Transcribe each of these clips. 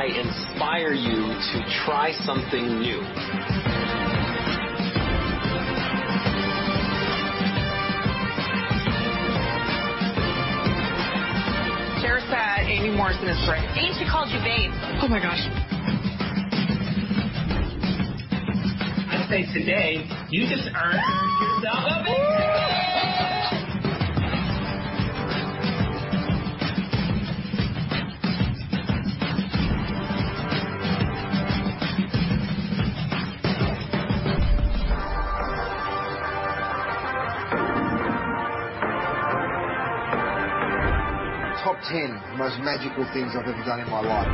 I hope that I inspire you to try something new. Sara said Amy Moore is in this break. I think she called you babe. Oh my gosh. I'd say today you just earned yourself a bear. Top 10 most magical things I've ever done in my life.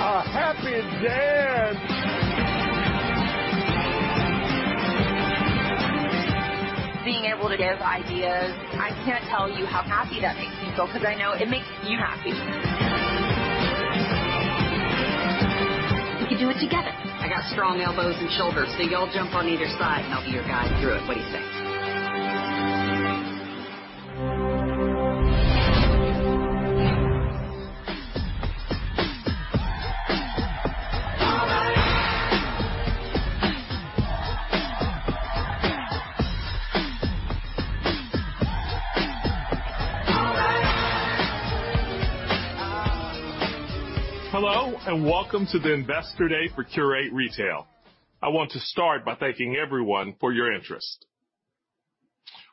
A happy dance. Being able to give ideas, I can't tell you how happy that makes me feel, 'cause I know it makes you happy. We can do it together. I got strong elbows and shoulders, so y'all jump on either side, and I'll be your guide through it. What do you say? Hello, and welcome to the Investor Day for Qurate Retail. I want to start by thanking everyone for your interest.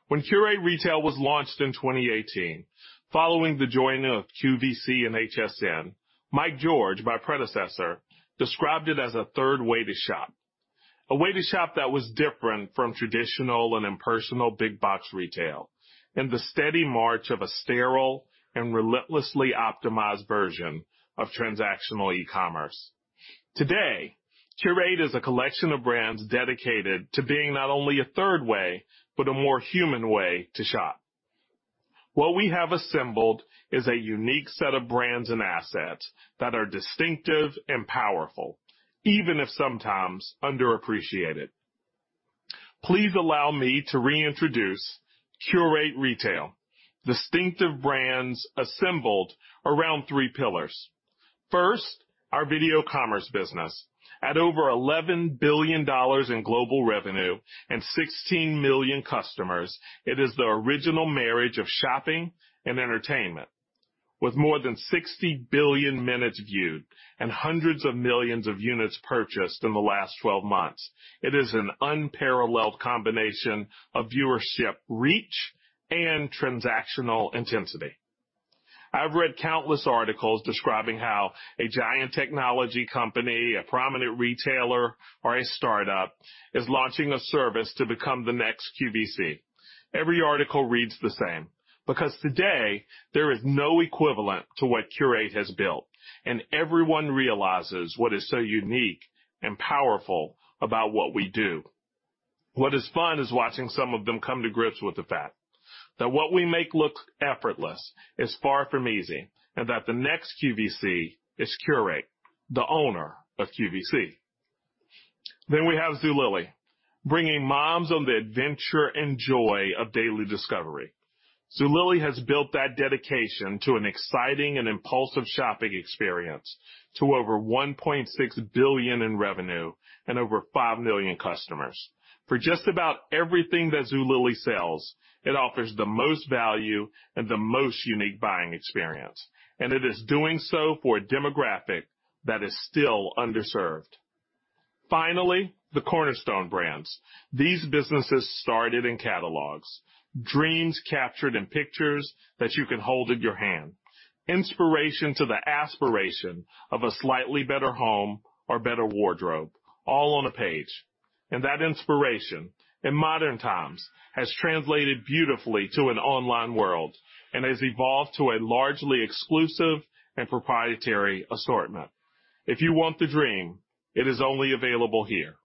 When Qurate Retail was launched in 2018, following the joining of QVC and HSN, Mike George, my predecessor, described it as a third way to shop. A way to shop that was different from traditional and impersonal big box retail, and the steady march of a sterile and relentlessly optimized version of transactional e-commerce. Today, Qurate is a collection of brands dedicated to being not only a third way, but a more human way to shop. What we have assembled is a unique set of brands and assets that are distinctive and powerful, even if sometimes underappreciated. Please allow me to reintroduce Qurate Retail, distinctive brands assembled around three pillars. First, our video commerce business. At over $11 billion in global revenue and 16 million customers, it is the original marriage of shopping and entertainment. With more than 60 billion minutes viewed and hundreds of millions of units purchased in the last 12 months, it is an unparalleled combination of viewership reach and transactional intensity. I've read countless articles describing how a giant technology company, a prominent retailer, or a startup is launching a service to become the next QVC. Every article reads the same, because today there is no equivalent to what Qurate has built, and everyone realizes what is so unique and powerful about what we do. What is fun is watching some of them come to grips with the fact that what we make looks effortless is far from easy, and that the next QVC is Qurate, the owner of QVC. We have Zulily, bringing moms on the adventure and joy of daily discovery. Zulily has built that dedication to an exciting and impulsive shopping experience to over $1.6 billion in revenue and over 5 million customers. For just about everything that Zulily sells, it offers the most value and the most unique buying experience, and it is doing so for a demographic that is still underserved. Finally, the Cornerstone Brands. These businesses started in catalogs. Dreams captured in pictures that you can hold in your hand. Inspiration to the aspiration of a slightly better home or better wardrobe, all on a page. That inspiration in modern times has translated beautifully to an online world and has evolved to a largely exclusive and proprietary assortment. If you want the dream, it is only available here.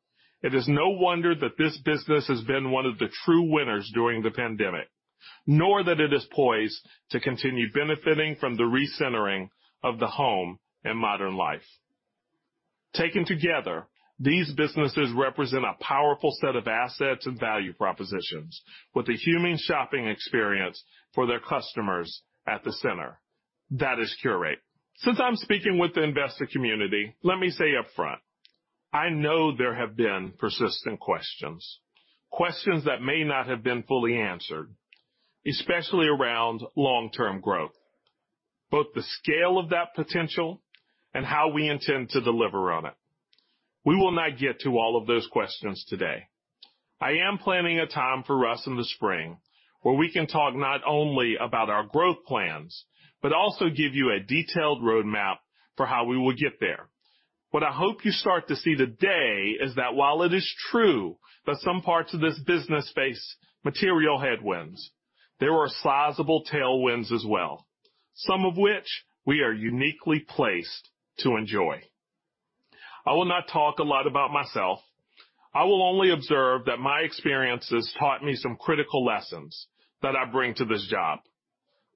It is no wonder that this business has been one of the true winners during the pandemic, nor that it is poised to continue benefiting from the recentering of the home and modern life. Taken together, these businesses represent a powerful set of assets and value propositions with a human shopping experience for their customers at the center. That is Qurate. Since I'm speaking with the investor community, let me say upfront, I know there have been persistent questions that may not have been fully answered, especially around long-term growth, both the scale of that potential and how we intend to deliver on it. We will not get to all of those questions today. I am planning a time for us in the spring where we can talk not only about our growth plans, but also give you a detailed roadmap for how we will get there. What I hope you start to see today is that while it is true that some parts of this business face material headwinds, there are sizable tailwinds as well. Some of which we are uniquely placed to enjoy. I will not talk a lot about myself. I will only observe that my experiences taught me some critical lessons that I bring to this job.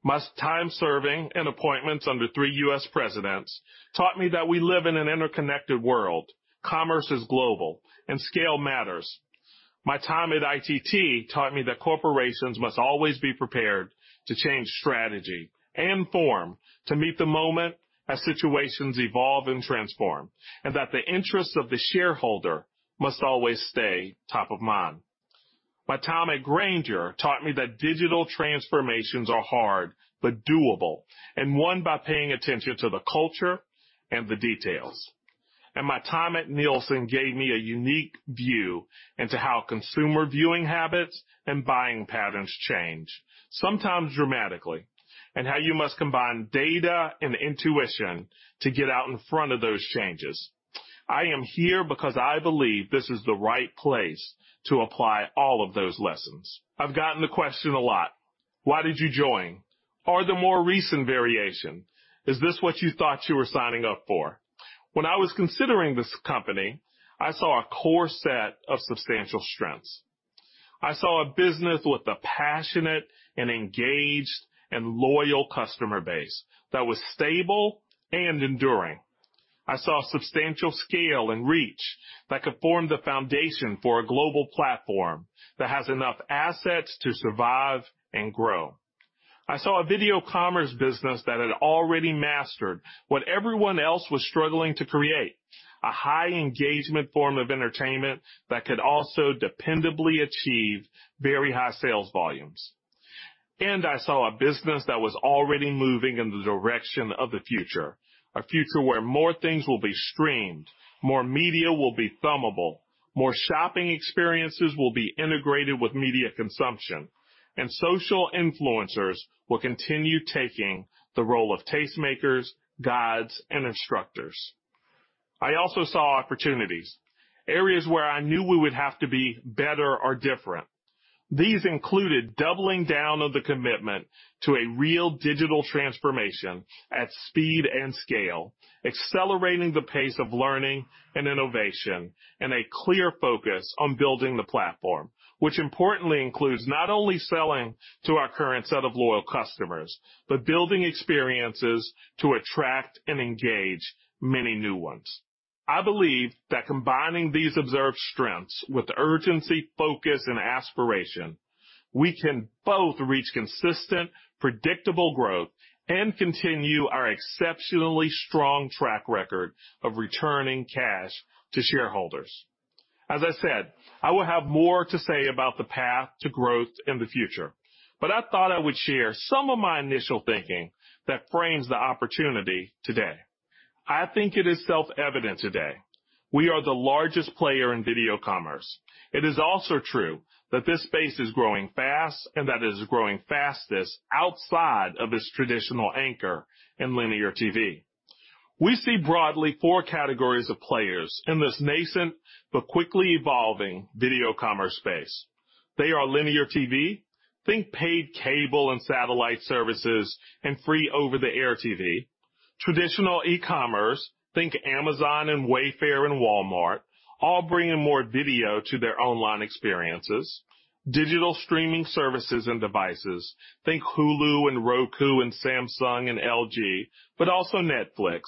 My time serving in appointments under three U.S. presidents taught me that we live in an interconnected world. Commerce is global and scale matters. My time at ITT taught me that corporations must always be prepared to change strategy and form to meet the moment as situations evolve and transform, and that the interest of the shareholder must always stay top of mind. My time at Grainger taught me that digital transformations are hard but doable, and only by paying attention to the culture and the details. My time at Nielsen gave me a unique view into how consumer viewing habits and buying patterns change, sometimes dramatically, and how you must combine data and intuition to get out in front of those changes. I am here because I believe this is the right place to apply all of those lessons. I've gotten the question a lot. Why did you join? Or the more recent variation, is this what you thought you were signing up for? When I was considering this company, I saw a core set of substantial strengths. I saw a business with a passionate and engaged and loyal customer base that was stable and enduring. I saw substantial scale and reach that could form the foundation for a global platform that has enough assets to survive and grow. I saw a video commerce business that had already mastered what everyone else was struggling to create, a high engagement form of entertainment that could also dependably achieve very high sales volumes. I saw a business that was already moving in the direction of the future, a future where more things will be streamed, more media will be thumbable, more shopping experiences will be integrated with media consumption, and social influencers will continue taking the role of tastemakers, guides, and instructors. I also saw opportunities, areas where I knew we would have to be better or different. These included doubling down on the commitment to a real digital transformation at speed and scale, accelerating the pace of learning and innovation, and a clear focus on building the platform, which importantly includes not only selling to our current set of loyal customers, but building experiences to attract and engage many new ones. I believe that combining these observed strengths with urgency, focus, and aspiration, we can both reach consistent, predictable growth and continue our exceptionally strong track record of returning cash to shareholders. As I said, I will have more to say about the path to growth in the future, but I thought I would share some of my initial thinking that frames the opportunity today. I think it is self-evident. Today, we are the largest player in video commerce. It is also true that this space is growing fast and that it is growing fastest outside of its traditional anchor in linear TV. We see broadly four categories of players in this nascent but quickly evolving video commerce space. They are linear TV, think paid cable and satellite services and free over-the-air TV. Traditional e-commerce, think Amazon and Wayfair and Walmart, all bringing more video to their online experiences. Digital streaming services and devices, think Hulu and Roku and Samsung and LG, but also Netflix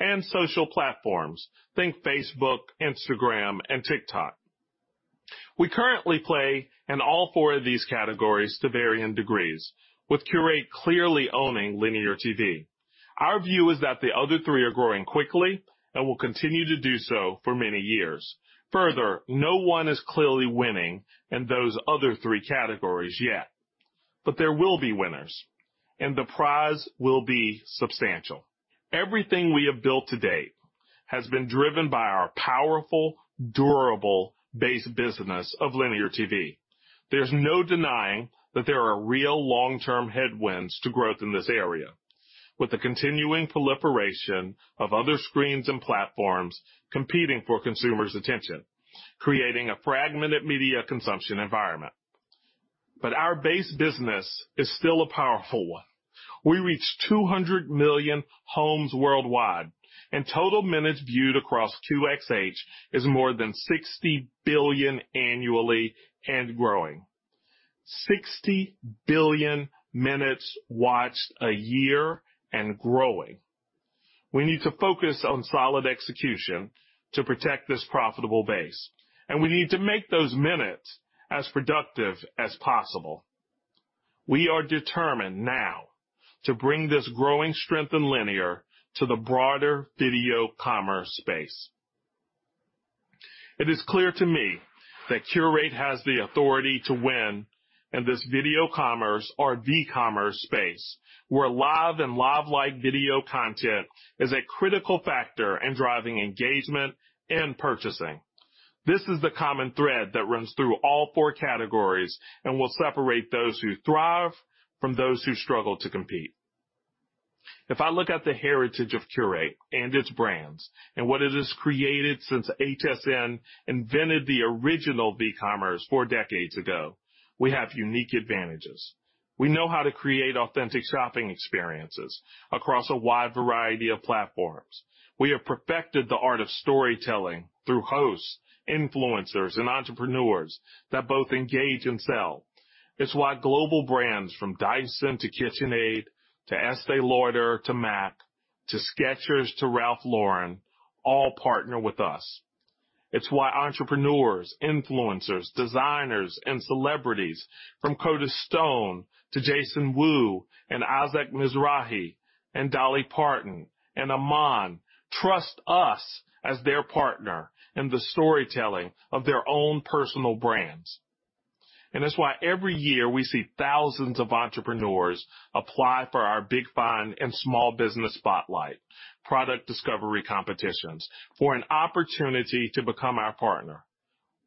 and social platforms, think Facebook, Instagram, and TikTok. We currently play in all four of these categories to varying degrees, with Qurate clearly owning linear TV. Our view is that the other three are growing quickly and will continue to do so for many years. Further, no one is clearly winning in those other three categories yet. There will be winners, and the prize will be substantial. Everything we have built to date has been driven by our powerful, durable base business of linear TV. There's no denying that there are real long-term headwinds to growth in this area, with the continuing proliferation of other screens and platforms competing for consumers' attention, creating a fragmented media consumption environment. Our base business is still a powerful one. We reach 200 million homes worldwide, and total minutes viewed across QxH is more than 60 billion annually and growing. 60 billion minutes watched a year and growing. We need to focus on solid execution to protect this profitable base, and we need to make those minutes as productive as possible. We are determined now to bring this growing strength in linear to the broader video commerce space. It is clear to me that Qurate has the authority to win in this video commerce or v-commerce space, where live and live-like video content is a critical factor in driving engagement and purchasing. This is the common thread that runs through all four categories and will separate those who thrive from those who struggle to compete. If I look at the heritage of Qurate and its brands and what it has created since HSN invented the original V-commerce four decades ago, we have unique advantages. We know how to create authentic shopping experiences across a wide variety of platforms. We have perfected the art of storytelling through hosts, influencers, and entrepreneurs that both engage and sell. It's why global brands from Dyson to KitchenAid to Estée Lauder to MAC to Skechers to Ralph Lauren all partner with us. It's why entrepreneurs, influencers, designers, and celebrities from Curtis Stone to Jason Wu and Isaac Mizrahi and Dolly Parton and IMAN trust us as their partner in the storytelling of their own personal brands. It's why every year, we see thousands of entrepreneurs apply for our Big Find and Small Business Spotlight product discovery competitions for an opportunity to become our partner.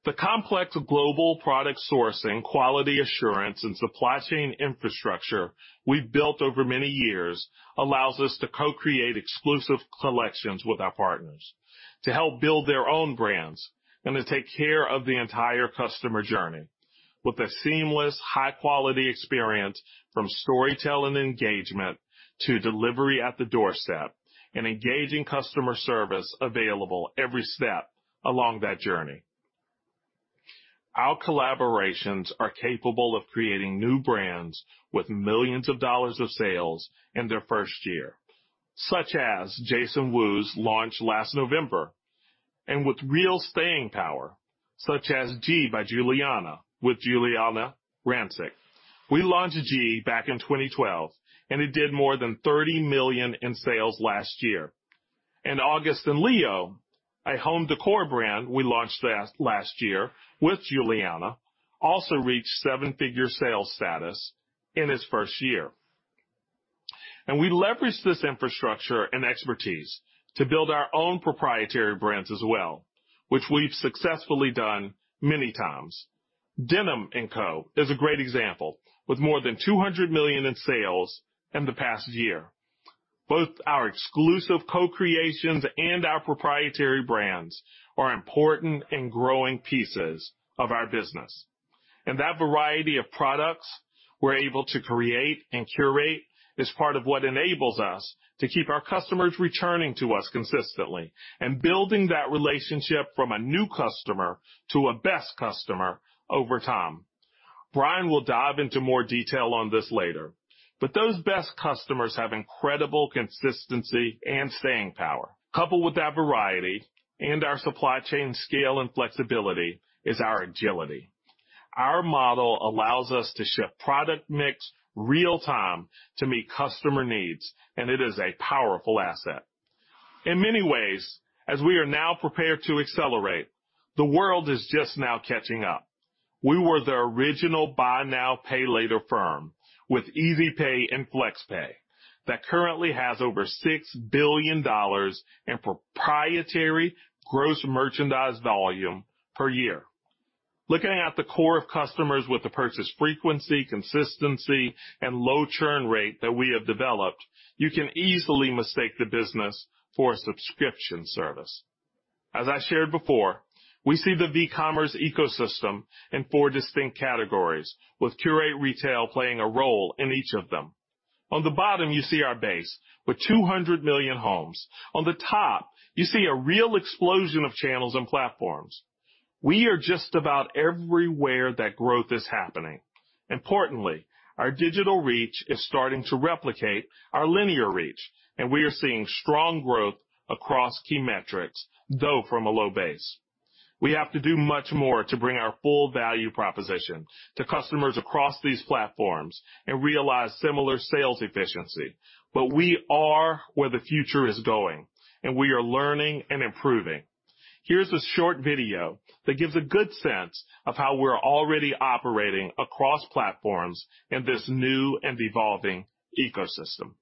The complex global product sourcing, quality assurance, and supply chain infrastructure we've built over many years allows us to co-create exclusive collections with our partners to help build their own brands and to take care of the entire customer journey with a seamless, high-quality experience from storytelling engagement to delivery at the doorstep and engaging customer service available every step along that journey. Our collaborations are capable of creating new brands with millions of dollars of sales in their first year, such as Jason Wu's launch last November, and with real staying power, such as G by Giuliana with Giuliana Rancic. We launched G back in 2012, and it did more than $30 million in sales last year. August & Leo, a home decor brand we launched last year with Giuliana, also reached seven-figure sales status in its first year. We leverage this infrastructure and expertise to build our own proprietary brands as well, which we've successfully done many times. Denim & Co. is a great example, with more than $200 million in sales in the past year. Both our exclusive co-creations and our proprietary brands are important and growing pieces of our business. That variety of products we're able to create and curate is part of what enables us to keep our customers returning to us consistently and building that relationship from a new customer to a best customer over time. Brian will dive into more detail on this later. Those best customers have incredible consistency and staying power. Coupled with that variety and our supply chain scale and flexibility is our agility. Our model allows us to ship product mix real time to meet customer needs, and it is a powerful asset. In many ways, as we are now prepared to accelerate, the world is just now catching up. We were the original buy now, pay later firm with Easy Pay and FlexPay that currently has over $6 billion in proprietary gross merchandise volume per year. Looking at the core of customers with the purchase frequency, consistency, and low churn rate that we have developed, you can easily mistake the business for a subscription service. As I shared before, we see the V-commerce ecosystem in four distinct categories, with Qurate Retail playing a role in each of them. On the bottom, you see our base with 200 million homes. On the top, you see a real explosion of channels and platforms. We are just about everywhere that growth is happening. Importantly, our digital reach is starting to replicate our linear reach, and we are seeing strong growth across key metrics, though from a low base. We have to do much more to bring our full value proposition to customers across these platforms and realize similar sales efficiency, but we are where the future is going, and we are learning and improving. Here's a short video that gives a good sense of how we're already operating across platforms in this new and evolving ecosystem.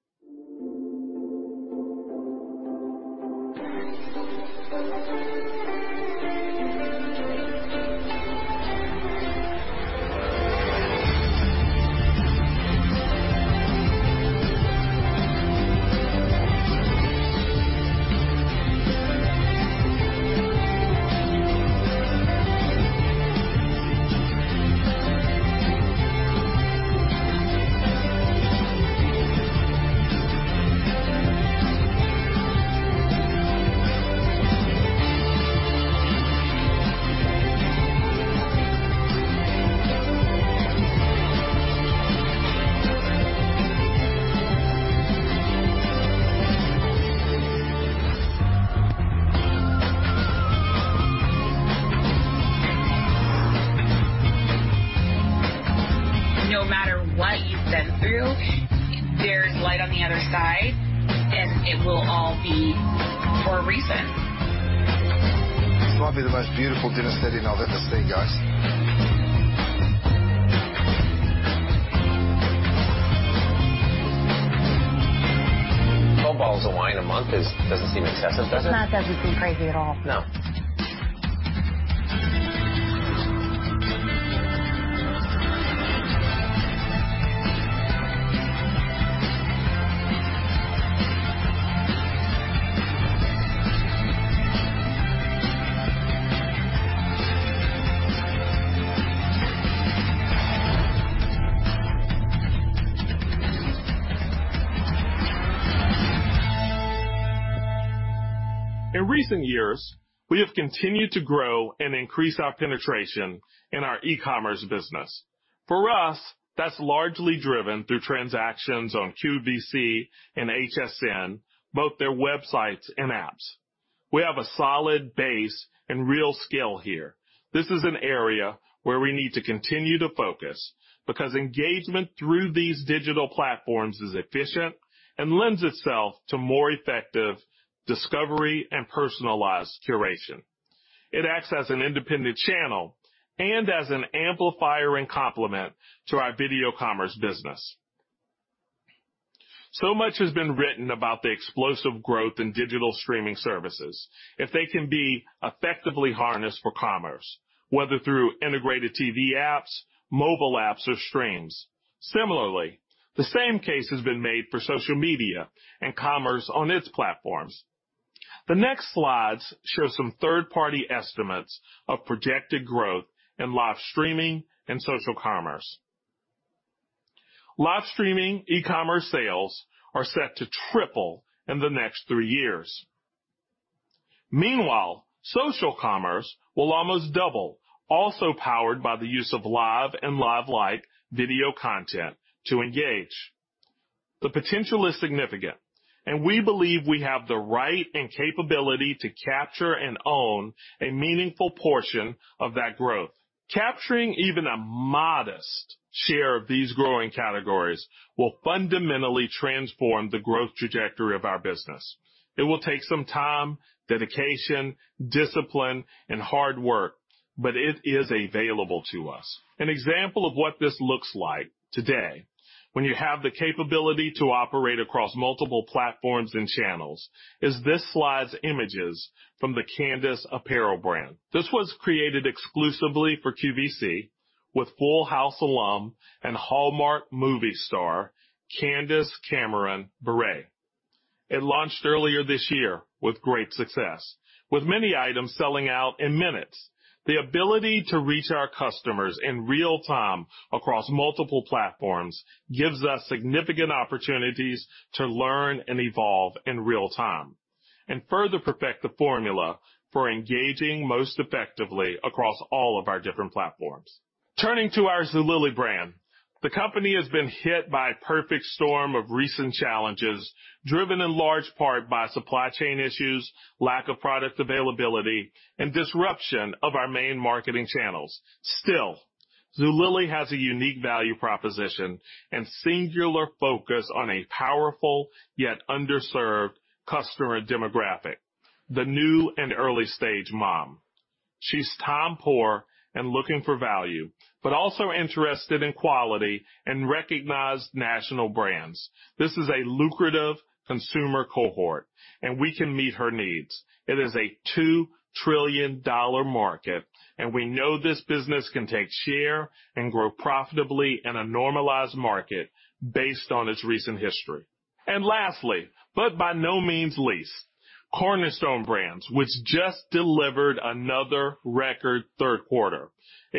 No matter what you've been through, there's light on the other side, and it will all be for a reason. This might be the most beautiful dinner setting I've ever seen, guys. 12 bottles of wine a month doesn't seem excessive, does it? It's not. Doesn't seem crazy at all. No. In recent years, we have continued to grow and increase our penetration in our e-commerce business. For us, that's largely driven through transactions on QVC and HSN, both their websites and apps. We have a solid base and real scale here. This is an area where we need to continue to focus, because engagement through these digital platforms is efficient and lends itself to more effective discovery and personalized curation. It acts as an independent channel and as an amplifier and complement to our video commerce business. So much has been written about the explosive growth in digital streaming services, if they can be effectively harnessed for commerce, whether through integrated TV apps, mobile apps or streams. Similarly, the same case has been made for social media and commerce on its platforms. The next slides show some third-party estimates of projected growth in live streaming and social commerce. Live streaming e-commerce sales are set to triple in the next three years. Meanwhile, social commerce will almost double, also powered by the use of live and live-like video content to engage. The potential is significant, and we believe we have the right and capability to capture and own a meaningful portion of that growth. Capturing even a modest share of these growing categories will fundamentally transform the growth trajectory of our business. It will take some time, dedication, discipline and hard work, but it is available to us. An example of what this looks like today, when you have the capability to operate across multiple platforms and channels, is this slide's images from the Candace apparel brand. This was created exclusively for QVC with Full House alum and Hallmark movie star, Candace Cameron Bure. It launched earlier this year with great success, with many items selling out in minutes. The ability to reach our customers in real time across multiple platforms gives us significant opportunities to learn and evolve in real time and further perfect the formula for engaging most effectively across all of our different platforms. Turning to our Zulily brand, the company has been hit by a perfect storm of recent challenges, driven in large part by supply chain issues, lack of product availability, and disruption of our main marketing channels. Still, Zulily has a unique value proposition and singular focus on a powerful yet underserved customer demographic, the new and early stage mom. She's time poor and looking for value, but also interested in quality and recognized national brands. This is a lucrative consumer cohort, and we can meet her needs. It is a $2 trillion market, and we know this business can take share and grow profitably in a normalized market based on its recent history. Lastly, but by no means least, Cornerstone Brands, which just delivered another record third quarter,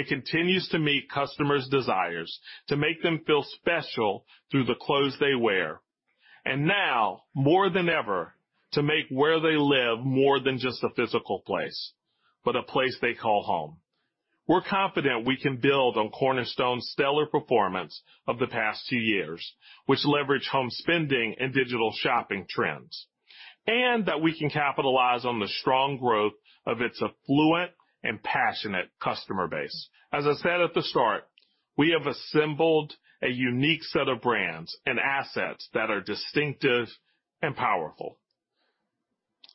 continues to meet customers' desires to make them feel special through the clothes they wear, and now more than ever, to make where they live more than just a physical place, but a place they call home. We're confident we can build on Cornerstone's stellar performance of the past 2 years, which leverage home spending and digital shopping trends, and that we can capitalize on the strong growth of its affluent and passionate customer base. As I said at the start, we have assembled a unique set of brands and assets that are distinctive and powerful.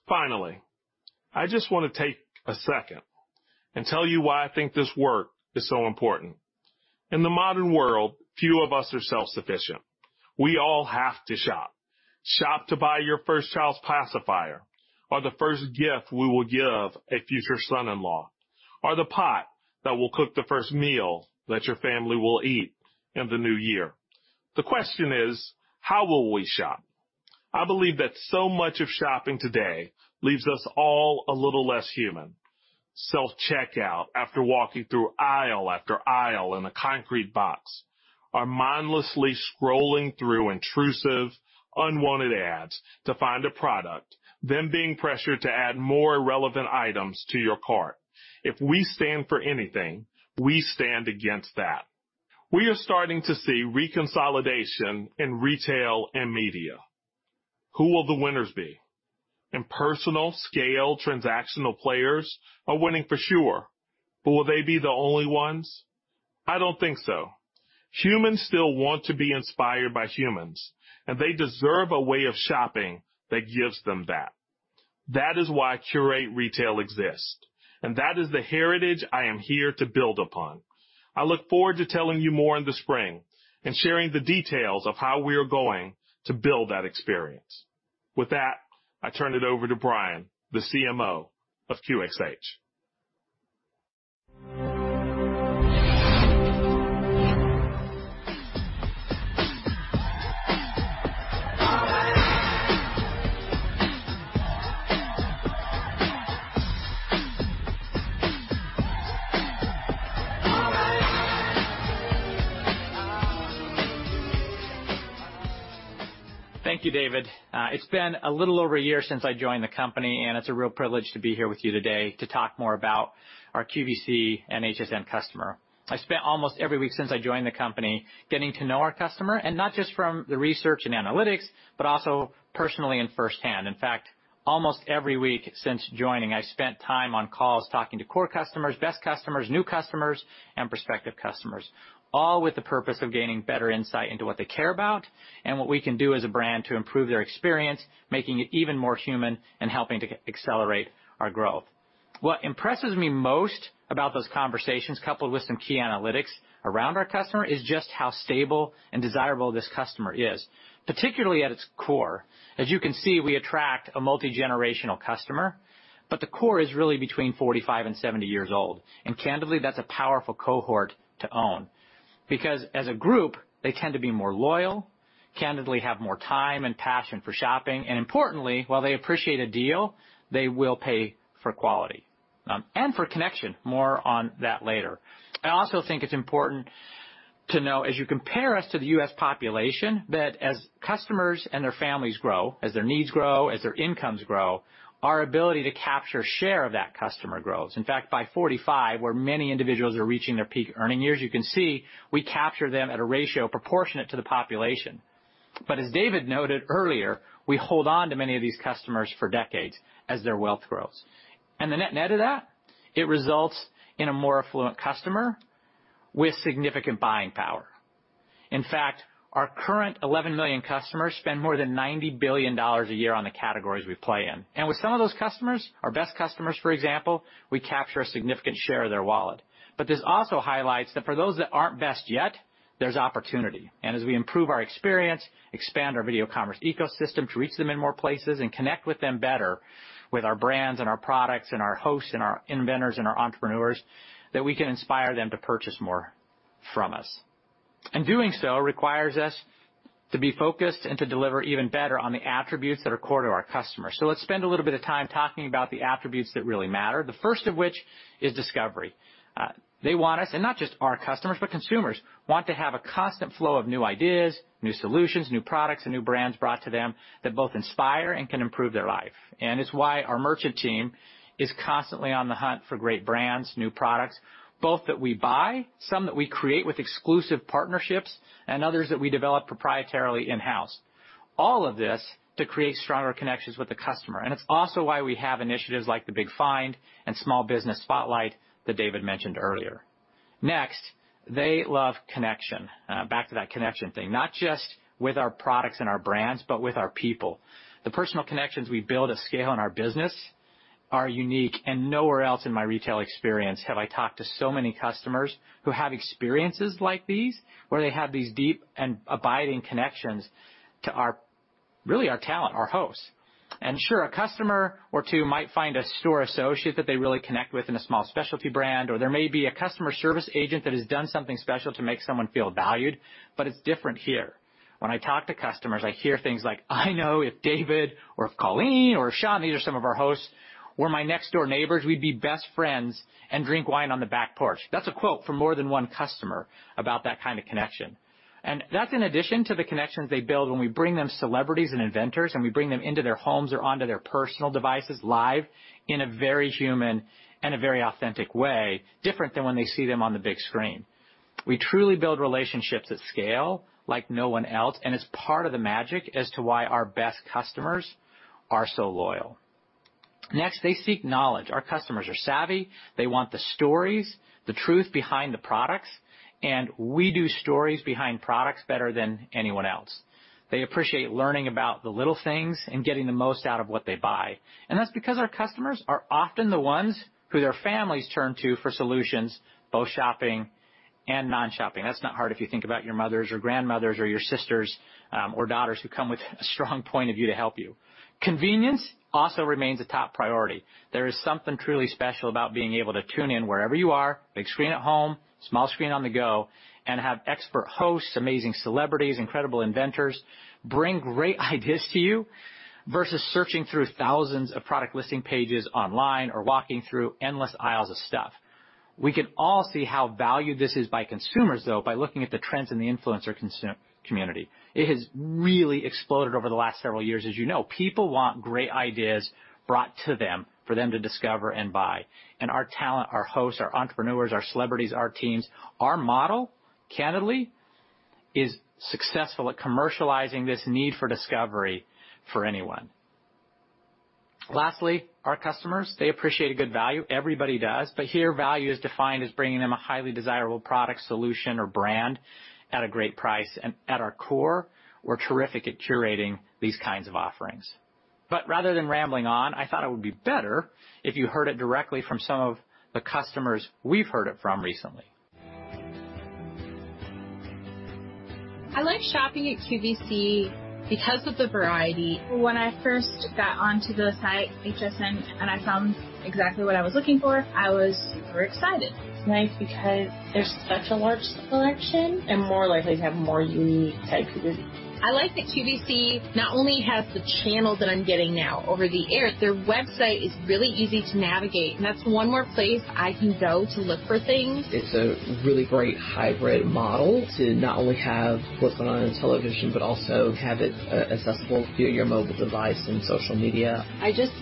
Finally, I just wanna take a second and tell you why I think this work is so important. In the modern world, few of us are self-sufficient. We all have to shop to buy your first child's pacifier or the first gift we will give a future son-in-law, or the pot that will cook the first meal that your family will eat in the new year. The question is, how will we shop? I believe that so much of shopping today leaves us all a little less human. Self-checkout after walking through aisle after aisle in a concrete box or mindlessly scrolling through intrusive, unwanted ads to find a product, then being pressured to add more irrelevant items to your cart. If we stand for anything, we stand against that. We are starting to see reconsolidation in retail and media. Who will the winners be? Impersonal, scale, transactional players are winning for sure, but will they be the only ones? I don't think so. Humans still want to be inspired by humans, and they deserve a way of shopping that gives them that. That is why Qurate Retail exists, and that is the heritage I am here to build upon. I look forward to telling you more in the spring and sharing the details of how we are going to build that experience. With that, I turn it over to Brian, the CMO of QxH. Thank you, David. It's been a little over a year since I joined the company, and it's a real privilege to be here with you today to talk more about our QVC and HSN customer. I spent almost every week since I joined the company getting to know our customer, and not just from the research and analytics, but also personally and firsthand. In fact, almost every week since joining, I spent time on calls talking to core customers, best customers, new customers, and prospective customers, all with the purpose of gaining better insight into what they care about and what we can do as a brand to improve their experience, making it even more human and helping to accelerate our growth. What impresses me most about those conversations, coupled with some key analytics around our customer, is just how stable and desirable this customer is, particularly at its core. As you can see, we attract a multigenerational customer, but the core is really between 45 and 70 years old. Candidly, that's a powerful cohort to own because as a group, they tend to be more loyal, candidly have more time and passion for shopping, and importantly, while they appreciate a deal, they will pay for quality and for connection. More on that later. I also think it's important to know as you compare us to the U.S. population, that as customers and their families grow, as their needs grow, as their incomes grow, our ability to capture share of that customer grows. In fact, by 45, where many individuals are reaching their peak earning years, you can see we capture them at a ratio proportionate to the population. As David noted earlier, we hold on to many of these customers for decades as their wealth grows. The net-net of that, it results in a more affluent customer with significant buying power. In fact, our current 11 million customers spend more than $90 billion a year on the categories we play in. With some of those customers, our best customers, for example, we capture a significant share of their wallet. This also highlights that for those that aren't best yet, there's opportunity. As we improve our experience, expand our video commerce ecosystem to reach them in more places and connect with them better with our brands and our products and our hosts and our inventors and our entrepreneurs, that we can inspire them to purchase more from us. Doing so requires us to be focused and to deliver even better on the attributes that are core to our customers. Let's spend a little bit of time talking about the attributes that really matter. The first of which is discovery. They want us, and not just our customers, but consumers want to have a constant flow of new ideas, new solutions, new products, and new brands brought to them that both inspire and can improve their life. It's why our merchant team is constantly on the hunt for great brands, new products, both that we buy, some that we create with exclusive partnerships and others that we develop proprietarily in-house. All of this to create stronger connections with the customer. It's also why we have initiatives like The Big Find and Small Business Spotlight that David mentioned earlier. Next, they love connection. Back to that connection thing, not just with our products and our brands, but with our people. The personal connections we build at scale in our business are unique, and nowhere else in my retail experience have I talked to so many customers who have experiences like these, where they have these deep and abiding connections to our really our talent, our hosts. Sure, a customer or two might find a store associate that they really connect with in a small specialty brand, or there may be a customer service agent that has done something special to make someone feel valued, but it's different here. When I talk to customers, I hear things like, "I know if David or if Colleen or Shawn," these are some of our hosts, "were my next door neighbors, we'd be best friends and drink wine on the back porch." That's a quote from more than one customer about that kind of connection. That's in addition to the connections they build when we bring them celebrities and inventors and we bring them into their homes or onto their personal devices live in a very human and a very authentic way, different than when they see them on the big screen. We truly build relationships at scale like no one else, and it's part of the magic as to why our best customers are so loyal. Next, they seek knowledge. Our customers are savvy. They want the stories, the truth behind the products, and we do stories behind products better than anyone else. They appreciate learning about the little things and getting the most out of what they buy. That's because our customers are often the ones who their families turn to for solutions, both shopping and non-shopping. That's not hard if you think about your mothers or grandmothers or your sisters, or daughters who come with a strong point of view to help you. Convenience also remains a top priority. There is something truly special about being able to tune in wherever you are, big screen at home, small screen on the go, and have expert hosts, amazing celebrities, incredible inventors, bring great ideas to you versus searching through thousands of product listing pages online or walking through endless aisles of stuff. We can all see how valued this is by consumers, though, by looking at the trends in the influencer community. It has really exploded over the last several years, as you know. People want great ideas brought to them for them to discover and buy. Our talent, our hosts, our entrepreneurs, our celebrities, our teams, our model, candidly, is successful at commercializing this need for discovery for anyone. Lastly, our customers, they appreciate a good value. Everybody does. Here value is defined as bringing them a highly desirable product, solution or brand at a great price. At our core, we're terrific at curating these kinds of offerings. Rather than rambling on, I thought it would be better if you heard it directly from some of the customers we've heard it from recently. I like shopping at QVC because of the variety. When I first got onto the site, HSN, and I found exactly what I was looking for, I was super excited. It's nice because there's such a large selection and more likely to have more unique type of things. I like that QVC not only has the channel that I'm getting now over the air. Their website is really easy to navigate, and that's one more place I can go to look for things. It's a really great hybrid model to not only have what's going on in television, but also have it accessible via your mobile device and social media. I just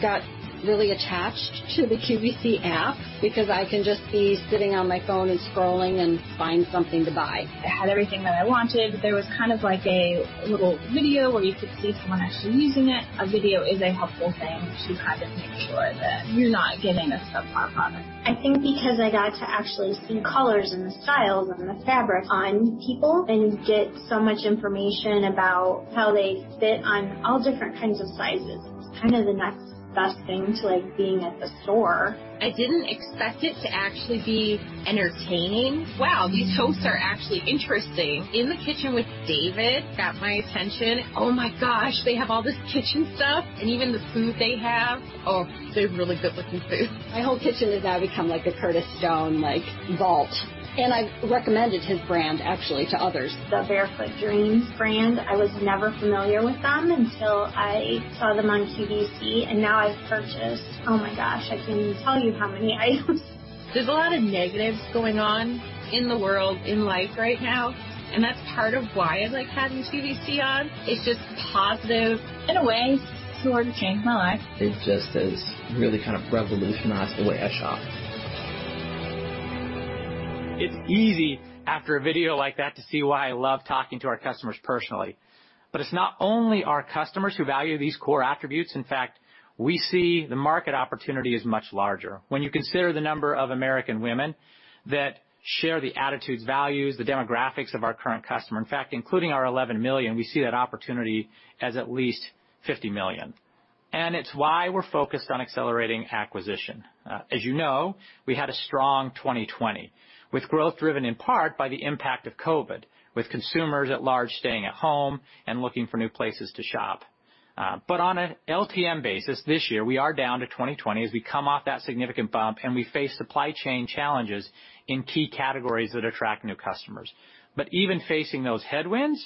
got really attached to the QVC app because I can just be sitting on my phone and scrolling and find something to buy. It had everything that I wanted. There was kind of like a little video where you could see someone actually using it. A video is a helpful thing to kind of make sure that you're not getting a subpar product. I think because I got to actually see colors and the styles and the fabric on people and get so much information about how they fit on all different kinds of sizes, it's kind of the next best thing to like being at the store. I didn't expect it to actually be entertaining. Wow, these hosts are actually interesting. In the Kitchen with David got my attention. Oh my gosh, they have all this kitchen stuff, and even the food they have. Oh, they have really good-looking food. My whole kitchen has now become like a Curtis Stone, like, vault, and I've recommended his brand actually to others. The Barefoot Dreams brand, I was never familiar with them until I saw them on QVC, and now I've purchased, oh my gosh, I can't even tell you how many items. There's a lot of negatives going on in the world in life right now, and that's part of why I like having QVC on. It's just positive. In a way, it sort of changed my life. It just has really kind of revolutionized the way I shop. It's easy after a video like that to see why I love talking to our customers personally. It's not only our customers who value these core attributes. In fact, we see the market opportunity as much larger when you consider the number of American women that share the attitudes, values, the demographics of our current customer. In fact, including our 11 million, we see that opportunity as at least 50 million, and it's why we're focused on accelerating acquisition. As you know, we had a strong 2020 with growth driven in part by the impact of COVID, with consumers at large staying at home and looking for new places to shop. On an LTM basis, this year, we are down to 2020 as we come off that significant bump and we face supply chain challenges in key categories that attract new customers. Even facing those headwinds,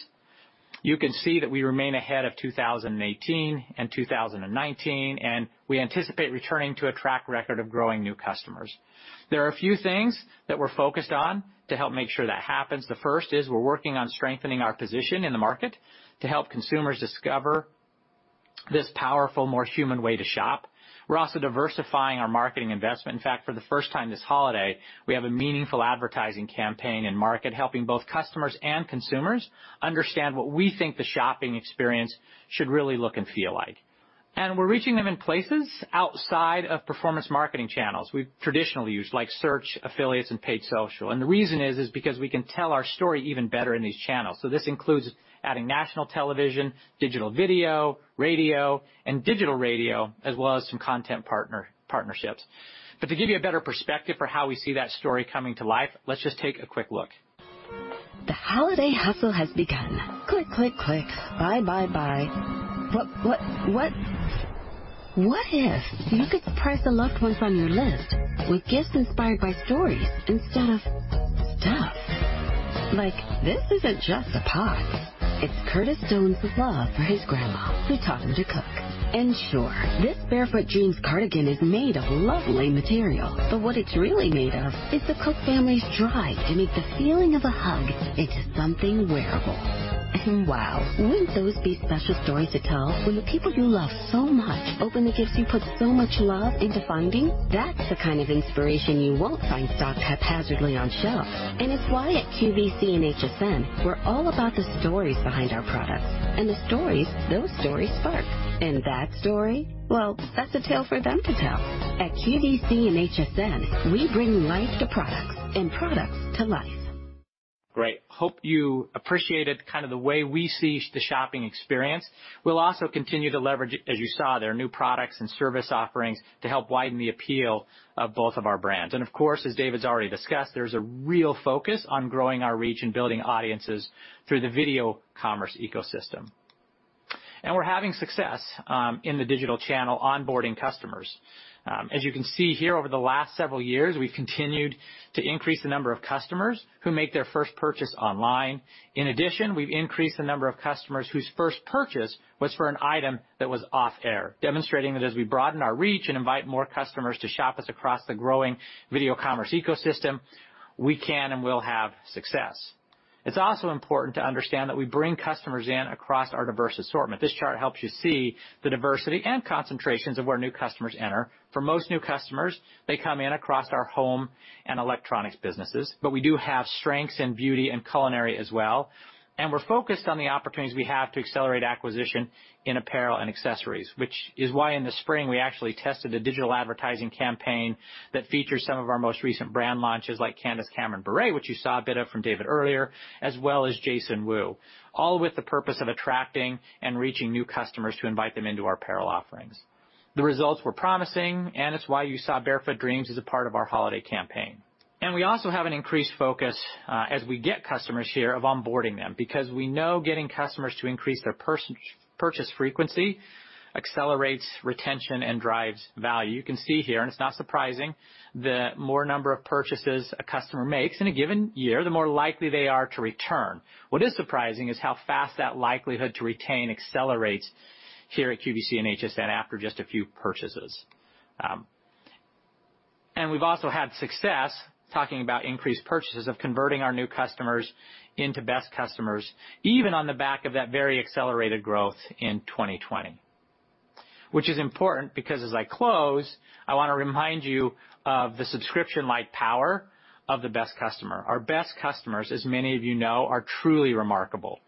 you can see that we remain ahead of 2018 and 2019, and we anticipate returning to a track record of growing new customers. There are a few things that we're focused on to help make sure that happens. The first is we're working on strengthening our position in the market to help consumers discover this powerful, more human way to shop. We're also diversifying our marketing investment. In fact, for the first time this holiday, we have a meaningful advertising campaign in market, helping both customers and consumers understand what we think the shopping experience should really look and feel like. We're reaching them in places outside of performance marketing channels we've traditionally used, like search, affiliates, and paid social. The reason is because we can tell our story even better in these channels. This includes adding national television, digital video, radio, and digital radio, as well as some content partner partnerships. To give you a better perspective for how we see that story coming to life, let's just take a quick look. The holiday hustle has begun. Click, click. Buy, buy. But what? What if you could surprise the loved ones on your list with gifts inspired by stories instead of stuff? Like, this isn't just a pot. It's Curtis Stone's love for his grandma who taught him to cook. Sure, this Barefoot Dreams cardigan is made of lovely material, but what it's really made of is the Annette Cook's drive to make the feeling of a hug into something wearable. Wow, wouldn't those be special stories to tell when the people you love so much open the gifts you put so much love into finding? That's the kind of inspiration you won't find stocked haphazardly on shelves. It's why at QVC and HSN, we're all about the stories behind our products and the stories those stories spark. That story? Well, that's a tale for them to tell. At QVC and HSN, we bring life to products and products to life. Great. Hope you appreciated kind of the way we see the shopping experience. We'll also continue to leverage, as you saw there, new products and service offerings to help widen the appeal of both of our brands. Of course, as David's already discussed, there's a real focus on growing our reach and building audiences through the video commerce ecosystem. We're having success in the digital channel onboarding customers. As you can see here, over the last several years, we've continued to increase the number of customers who make their first purchase online. In addition, we've increased the number of customers whose first purchase was for an item that was off-air, demonstrating that as we broaden our reach and invite more customers to shop us across the growing video commerce ecosystem, we can and will have success. It's also important to understand that we bring customers in across our diverse assortment. This chart helps you see the diversity and concentrations of where new customers enter. For most new customers, they come in across our home and electronics businesses, but we do have strengths in beauty and culinary as well, and we're focused on the opportunities we have to accelerate acquisition in apparel and accessories, which is why in the spring we actually tested a digital advertising campaign that features some of our most recent brand launches, like Candace Cameron Bure, which you saw a bit of from David earlier, as well as Jason Wu, all with the purpose of attracting and reaching new customers to invite them into our apparel offerings. The results were promising, and it's why you saw Barefoot Dreams as a part of our holiday campaign. We also have an increased focus, as we get customers here of onboarding them, because we know getting customers to increase their purchase frequency accelerates retention and drives value. You can see here, and it's not surprising, the more number of purchases a customer makes in a given year, the more likely they are to return. What is surprising is how fast that likelihood to retain accelerates here at QVC and HSN after just a few purchases. We've also had success, talking about increased purchases, of converting our new customers into best customers, even on the back of that very accelerated growth in 2020. Which is important because as I close, I wanna remind you of the subscription-like power of the best customer. Our best customers, as many of you know, are truly remarkable.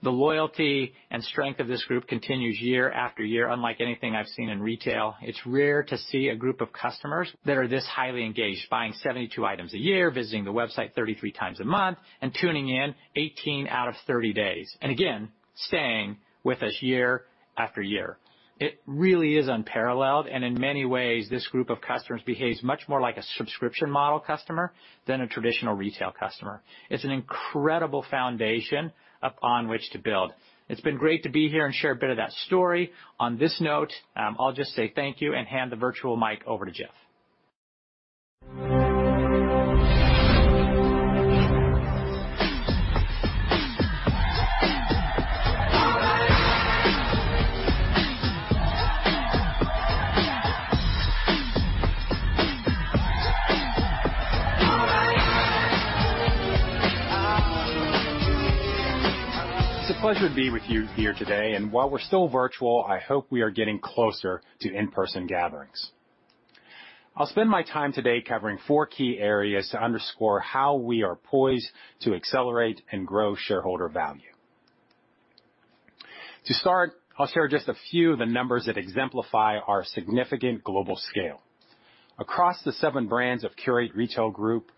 The loyalty and strength of this group continues year after year, unlike anything I've seen in retail. It's rare to see a group of customers that are this highly engaged, buying 72 items a year, visiting the website 33 times a month, and tuning in 18 out of 30 days, and again, staying with us year after year. It really is unparalleled, and in many ways, this group of customers behaves much more like a subscription model customer than a traditional retail customer. It's an incredible foundation upon which to build. It's been great to be here and share a bit of that story. On this note, I'll just say thank you and hand the virtual mic over to Jeff. It's a pleasure to be with you here today. While we're still virtual, I hope we are getting closer to in-person gatherings. I'll spend my time today covering four key areas to underscore how we are poised to accelerate and grow shareholder value. To start, I'll share just a few of the numbers that exemplify our significant global scale. Across the seven brands of Qurate Retail Group,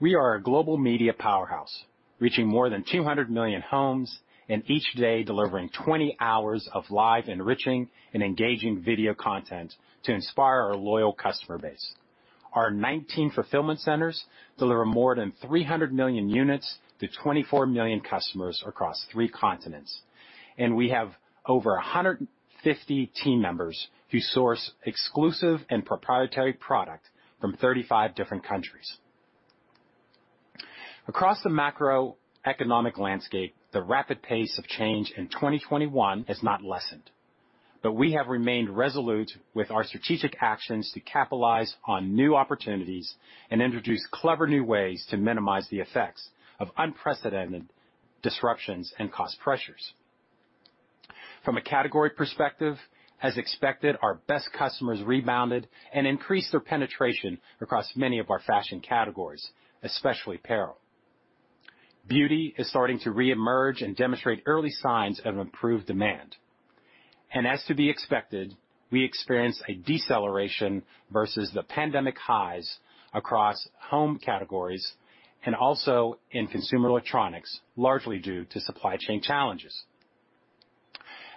we are a global media powerhouse, reaching more than 200 million homes and each day delivering 20 hours of live, enriching, and engaging video content to inspire our loyal customer base. Our 19 fulfillment centers deliver more than 300 million units to 24 million customers across three continents. We have over 150 team members who source exclusive and proprietary product from 35 different countries. Across the macroeconomic landscape, the rapid pace of change in 2021 has not lessened, but we have remained resolute with our strategic actions to capitalize on new opportunities and introduce clever new ways to minimize the effects of unprecedented disruptions and cost pressures. From a category perspective, as expected, our best customers rebounded and increased their penetration across many of our fashion categories, especially apparel. Beauty is starting to reemerge and demonstrate early signs of improved demand. As to be expected, we experienced a deceleration versus the pandemic highs across home categories and also in consumer electronics, largely due to supply chain challenges.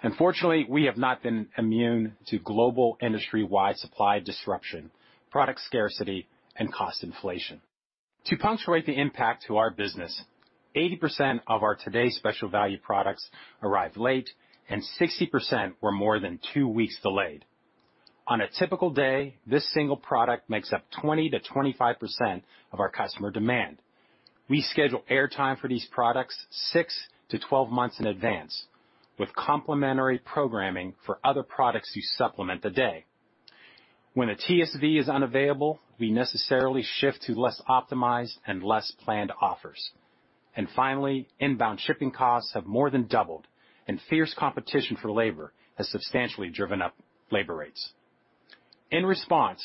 Unfortunately, we have not been immune to global industry-wide supply disruption, product scarcity, and cost inflation. To punctuate the impact to our business, 80% of our Today's Special Value products arrive late, and 60% were more than two weeks delayed. On a typical day, this single product makes up 20%-25% of our customer demand. We schedule air time for these products 6-12 months in advance, with complementary programming for other products to supplement the day. When a TSV is unavailable, we necessarily shift to less optimized and less planned offers. Finally, inbound shipping costs have more than doubled, and fierce competition for labor has substantially driven up labor rates. In response,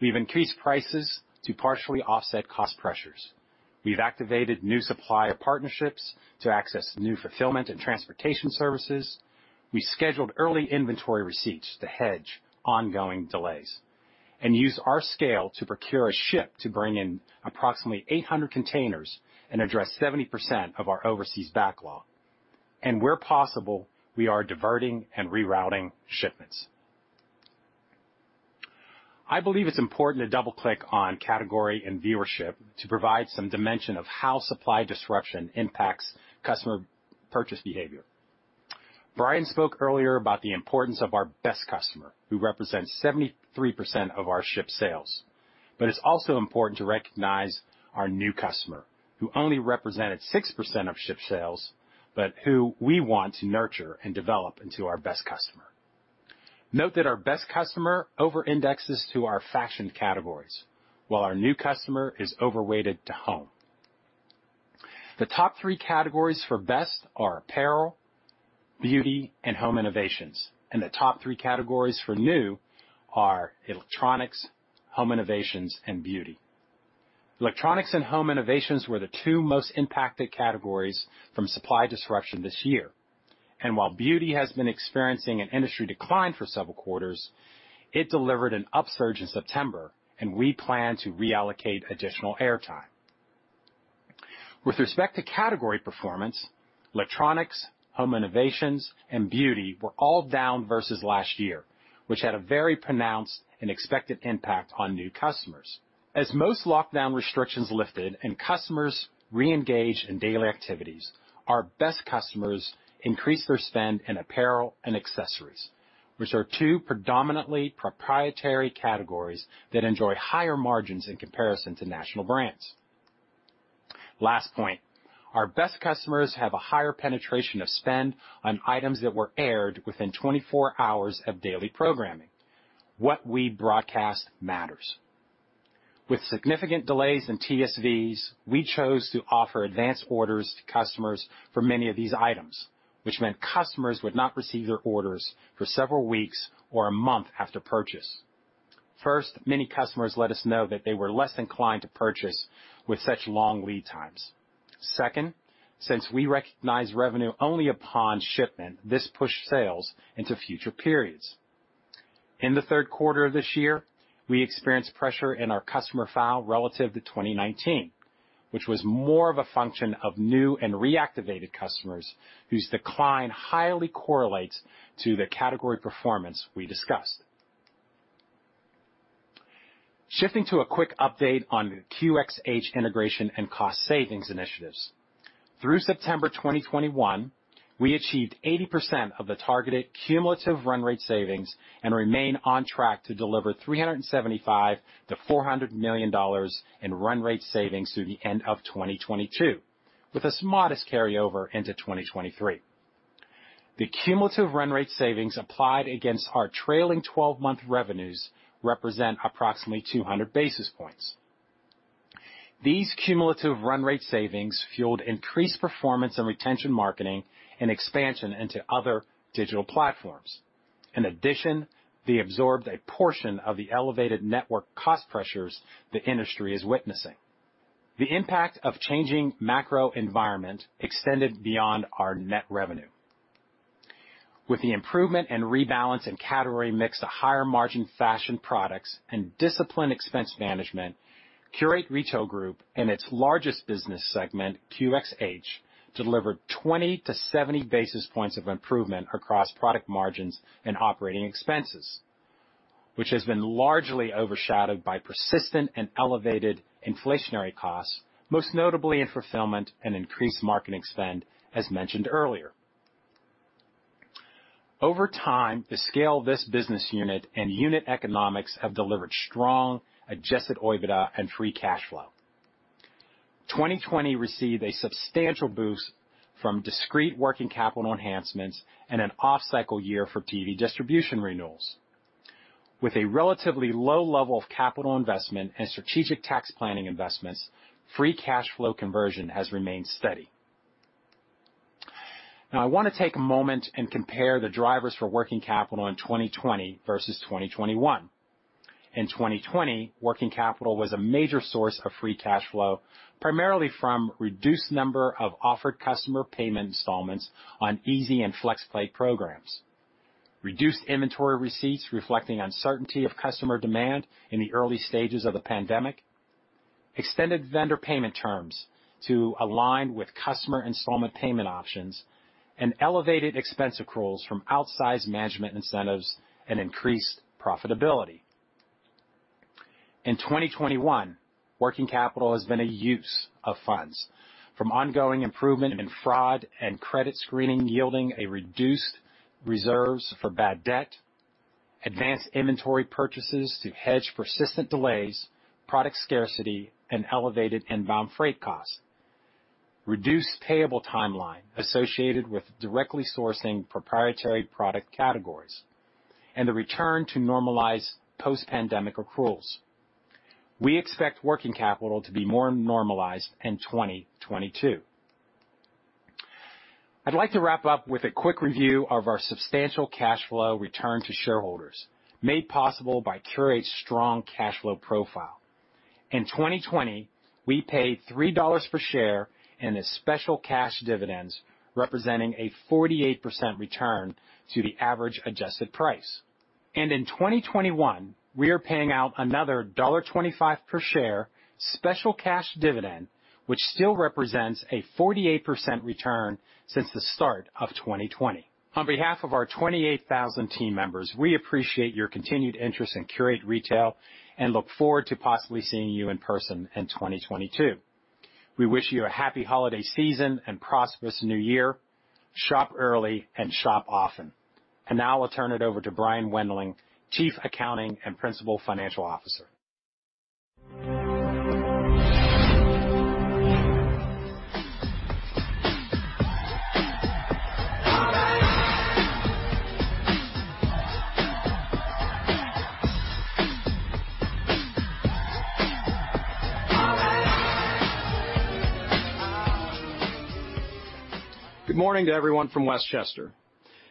we've increased prices to partially offset cost pressures. We've activated new supplier partnerships to access new fulfillment and transportation services. We scheduled early inventory receipts to hedge ongoing delays and used our scale to procure a ship to bring in approximately 800 containers and address 70% of our overseas backlog. Where possible, we are diverting and rerouting shipments. I believe it's important to double-click on category and viewership to provide some dimension of how supply disruption impacts customer purchase behavior. Brian spoke earlier about the importance of our best customer, who represents 73% of our shipped sales. It's also important to recognize our new customer, who only represented 6% of shipped sales, but who we want to nurture and develop into our best customer. Note that our best customer overindexes to our fashion categories, while our new customer is overweighted to home. The top three categories for best are apparel, beauty, and home innovations, and the top three categories for new are electronics, home innovations, and beauty. Electronics and home innovations were the two most impacted categories from supply disruption this year. While beauty has been experiencing an industry decline for several quarters, it delivered an upsurge in September, and we plan to reallocate additional air time. With respect to category performance, electronics, home innovations, and beauty were all down versus last year, which had a very pronounced and expected impact on new customers. As most lockdown restrictions lifted and customers re-engaged in daily activities, our best customers increased their spend in apparel and accessories, which are two predominantly proprietary categories that enjoy higher margins in comparison to national brands. Last point, our best customers have a higher penetration of spend on items that were aired within 24 hours of daily programming. What we broadcast matters. With significant delays in TSVs, we chose to offer advanced orders to customers for many of these items, which meant customers would not receive their orders for several weeks or a month after purchase. First, many customers let us know that they were less inclined to purchase with such long lead times. Second, since we recognize revenue only upon shipment, this pushed sales into future periods. In the third quarter of this year, we experienced pressure in our customer file relative to 2019, which was more of a function of new and reactivated customers whose decline highly correlates to the category performance we discussed. Shifting to a quick update on the QXH integration and cost savings initiatives. Through September 2021, we achieved 80% of the targeted cumulative run rate savings and remain on track to deliver $375 million-$400 million in run rate savings through the end of 2022, with a modest carryover into 2023. The cumulative run rate savings applied against our trailing twelve-month revenues represent approximately 200 basis points. These cumulative run rate savings fueled increased performance and retention marketing and expansion into other digital platforms. In addition, they absorbed a portion of the elevated network cost pressures the industry is witnessing. The impact of changing macro environment extended beyond our net revenue. With the improvement and rebalance in category mix to higher margin fashion products and disciplined expense management, Qurate Retail Group and its largest business segment, QxH, delivered 20-70 basis points of improvement across product margins and operating expenses, which has been largely overshadowed by persistent and elevated inflationary costs, most notably in fulfillment and increased marketing spend as mentioned earlier. Over time, the scale of this business unit and unit economics have delivered strong adjusted OIBDA and free cash flow. 2020 received a substantial boost from discrete working capital enhancements and an off-cycle year for TV distribution renewals. With a relatively low level of capital investment and strategic tax planning investments, free cash flow conversion has remained steady. Now, I wanna take a moment and compare the drivers for working capital in 2020 versus 2021. In 2020, working capital was a major source of free cash flow, primarily from reduced number of offered customer payment installments on Easy Pay and FlexPay programs, reduced inventory receipts reflecting uncertainty of customer demand in the early stages of the pandemic, extended vendor payment terms to align with customer installment payment options, and elevated expense accruals from outsized management incentives and increased profitability. In 2021, working capital has been a use of funds from ongoing improvement in fraud and credit screening, yielding a reduced reserves for bad debt, advanced inventory purchases to hedge persistent delays, product scarcity, and elevated inbound freight costs, reduced payable timeline associated with directly sourcing proprietary product categories, and the return to normalized post-pandemic accruals. We expect working capital to be more normalized in 2022. I'd like to wrap up with a quick review of our substantial cash flow return to shareholders, made possible by Qurate's strong cash flow profile. In 2020, we paid $3 per share in a special cash dividends, representing a 48% return to the average adjusted price. In 2021, we are paying out another $1.25 per share special cash dividend, which still represents a 48% return since the start of 2020. On behalf of our 28,000 team members, we appreciate your continued interest in Qurate Retail and look forward to possibly seeing you in person in 2022. We wish you a happy holiday season and prosperous new year. Shop early and shop often. Now I'll turn it over to Brian Wendling, Chief Accounting Officer and Principal Financial Officer. Good morning to everyone from West Chester.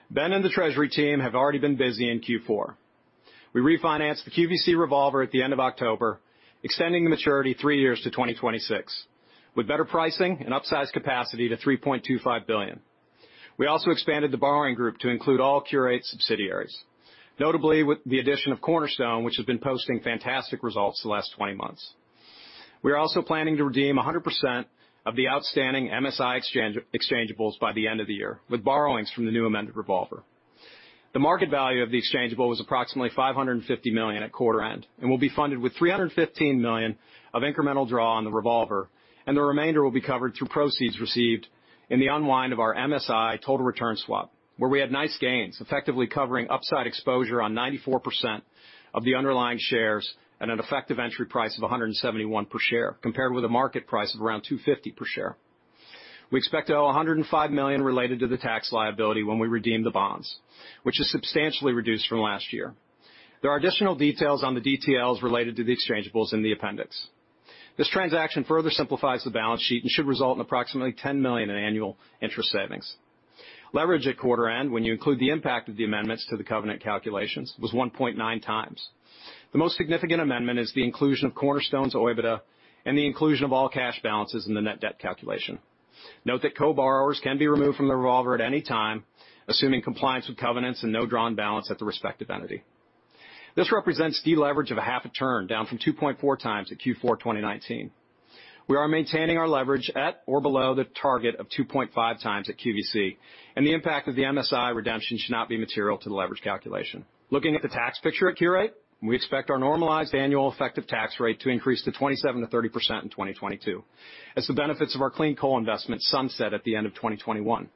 Ben and the treasury team have already been busy in Q4. We refinanced the QVC revolver at the end of October, extending the maturity three years to 2026, with better pricing and upsized capacity to $3.25 billion. We also expanded the borrowing group to include all Qurate subsidiaries, notably with the addition of Cornerstone, which has been posting fantastic results the last 20 months. We are also planning to redeem 100% of the outstanding MSI exchangeables by the end of the year with borrowings from the new amended revolver. The market value of the exchangeable was approximately $550 million at quarter end and will be funded with $315 million of incremental draw on the revolver, and the remainder will be covered through proceeds received in the unwind of our MSI total return swap, where we had nice gains, effectively covering upside exposure on 94% of the underlying shares at an effective entry price of $171 per share, compared with a market price of around $250 per share. We expect to owe $105 million related to the tax liability when we redeem the bonds, which is substantially reduced from last year. There are additional details on the DTLs related to the exchangeables in the appendix. This transaction further simplifies the balance sheet and should result in approximately $10 million in annual interest savings. Leverage at quarter end, when you include the impact of the amendments to the covenant calculations, was 1.9x. The most significant amendment is the inclusion of Cornerstone's OIBDA and the inclusion of all cash balances in the net debt calculation. Note that co-borrowers can be removed from the revolver at any time, assuming compliance with covenants and no drawn balance at the respective entity. This represents deleverage of half a turn, down from 2.4x at Q4 2019. We are maintaining our leverage at or below the target of 2.5x at QVC, and the impact of the MSI redemption should not be material to the leverage calculation. Looking at the tax picture at Qurate, we expect our normalized annual effective tax rate to increase to 27%-30% in 2022 as the benefits of our clean coal investment sunset at the end of 2021.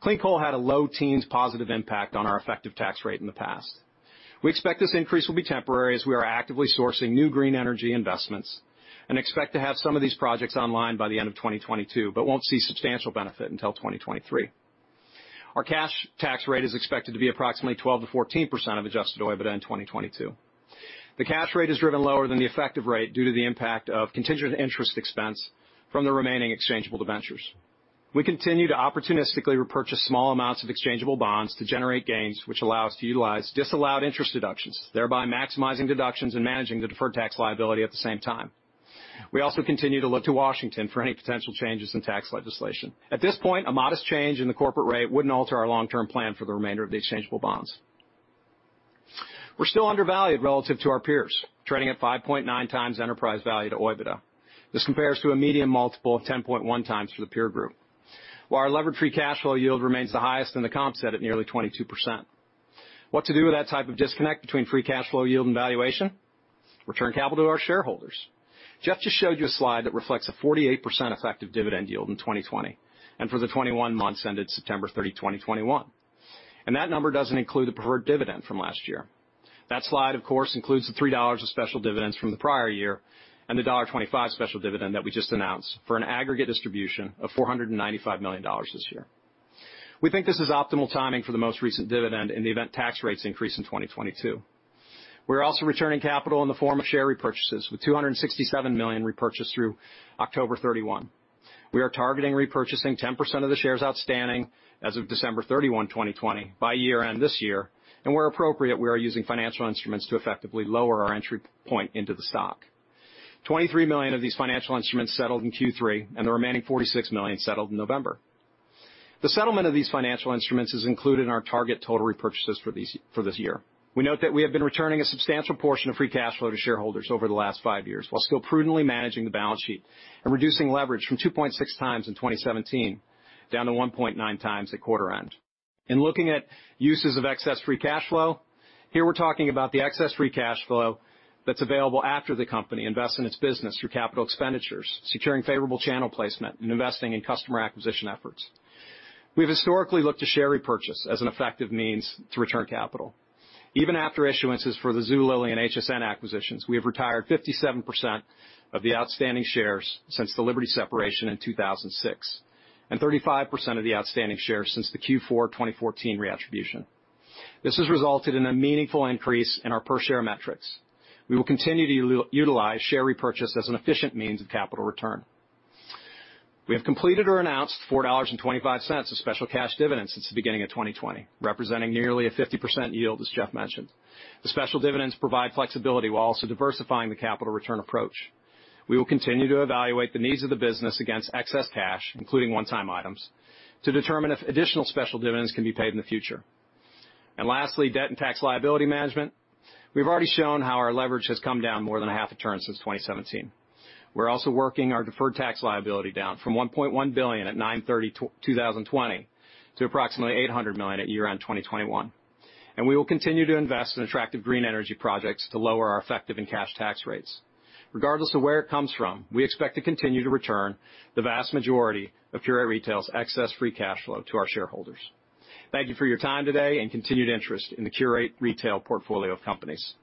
Clean coal had a low teens positive impact on our effective tax rate in the past. We expect this increase will be temporary as we are actively sourcing new green energy investments and expect to have some of these projects online by the end of 2022, but won't see substantial benefit until 2023. Our cash tax rate is expected to be approximately 12%-14% of adjusted OIBDA in 2022. The cash rate is driven lower than the effective rate due to the impact of contingent interest expense from the remaining exchangeable debentures. We continue to opportunistically repurchase small amounts of exchangeable bonds to generate gains which allow us to utilize disallowed interest deductions, thereby maximizing deductions and managing the deferred tax liability at the same time. We also continue to look to Washington for any potential changes in tax legislation. At this point, a modest change in the corporate rate wouldn't alter our long-term plan for the remainder of the exchangeable bonds. We're still undervalued relative to our peers, trading at 5.9x enterprise value to OIBDA. This compares to a median multiple of 10.1x for the peer group, while our levered free cash flow yield remains the highest in the comp set at nearly 22%. What to do with that type of disconnect between free cash flow yield and valuation? Return capital to our shareholders. Jeff just showed you a slide that reflects a 48% effective dividend yield in 2020 and for the 21 months ended September 30, 2021. That number doesn't include the preferred dividend from last year. That slide, of course, includes the $3 of special dividends from the prior year and the $1.25 special dividend that we just announced for an aggregate distribution of $495 million this year. We think this is optimal timing for the most recent dividend in the event tax rates increase in 2022. We're also returning capital in the form of share repurchases, with $267 million repurchased through October 31. We are targeting repurchasing 10% of the shares outstanding as of December 31, 2020 by year-end this year, and where appropriate, we are using financial instruments to effectively lower our entry point into the stock. 23 million of these financial instruments settled in Q3, and the remaining 46 million settled in November. The settlement of these financial instruments is included in our target total repurchases for this year. We note that we have been returning a substantial portion of free cash flow to shareholders over the last five years, while still prudently managing the balance sheet and reducing leverage from 2.6x in 2017 down to 1.9x at quarter end. In looking at uses of excess free cash flow, here we're talking about the excess free cash flow that's available after the company invests in its business through capital expenditures, securing favorable channel placement, and investing in customer acquisition efforts. We've historically looked to share repurchase as an effective means to return capital. Even after issuances for the Zulily and HSN acquisitions, we have retired 57% of the outstanding shares since the Liberty separation in 2006, and 35% of the outstanding shares since the Q4 2014 reattribution. This has resulted in a meaningful increase in our per share metrics. We will continue to utilize share repurchase as an efficient means of capital return. We have completed or announced $4.25 of special cash dividends since the beginning of 2020, representing nearly a 50% yield, as Jeff mentioned. The special dividends provide flexibility while also diversifying the capital return approach. We will continue to evaluate the needs of the business against excess cash, including one-time items, to determine if additional special dividends can be paid in the future. Lastly, debt and tax liability management. We've already shown how our leverage has come down more than half a turn since 2017. We're also working our deferred tax liability down from $1.1 billion at 9/30/2020 to approximately $800 million at year-end 2021. We will continue to invest in attractive green energy projects to lower our effective and cash tax rates. Regardless of where it comes from, we expect to continue to return the vast majority of Qurate Retail's excess free cash flow to our shareholders. Thank you for your time today and continued interest in the Qurate Retail portfolio of companies.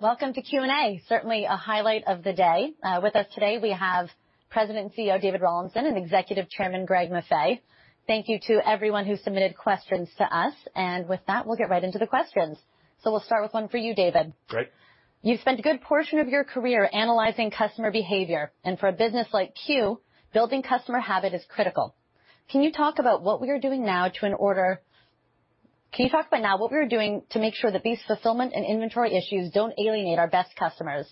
Welcome to Q&A, certainly a highlight of the day. With us today, we have President and CEO, David Rawlinson, and Executive Chairman, Greg Maffei. Thank you to everyone who submitted questions to us. We'll get right into the questions. We'll start with one for you, David. Great. You've spent a good portion of your career analyzing customer behavior. For a business like Q, building customer habit is critical. Can you talk about what we are doing now to make sure that these fulfillment and inventory issues don't alienate our best customers?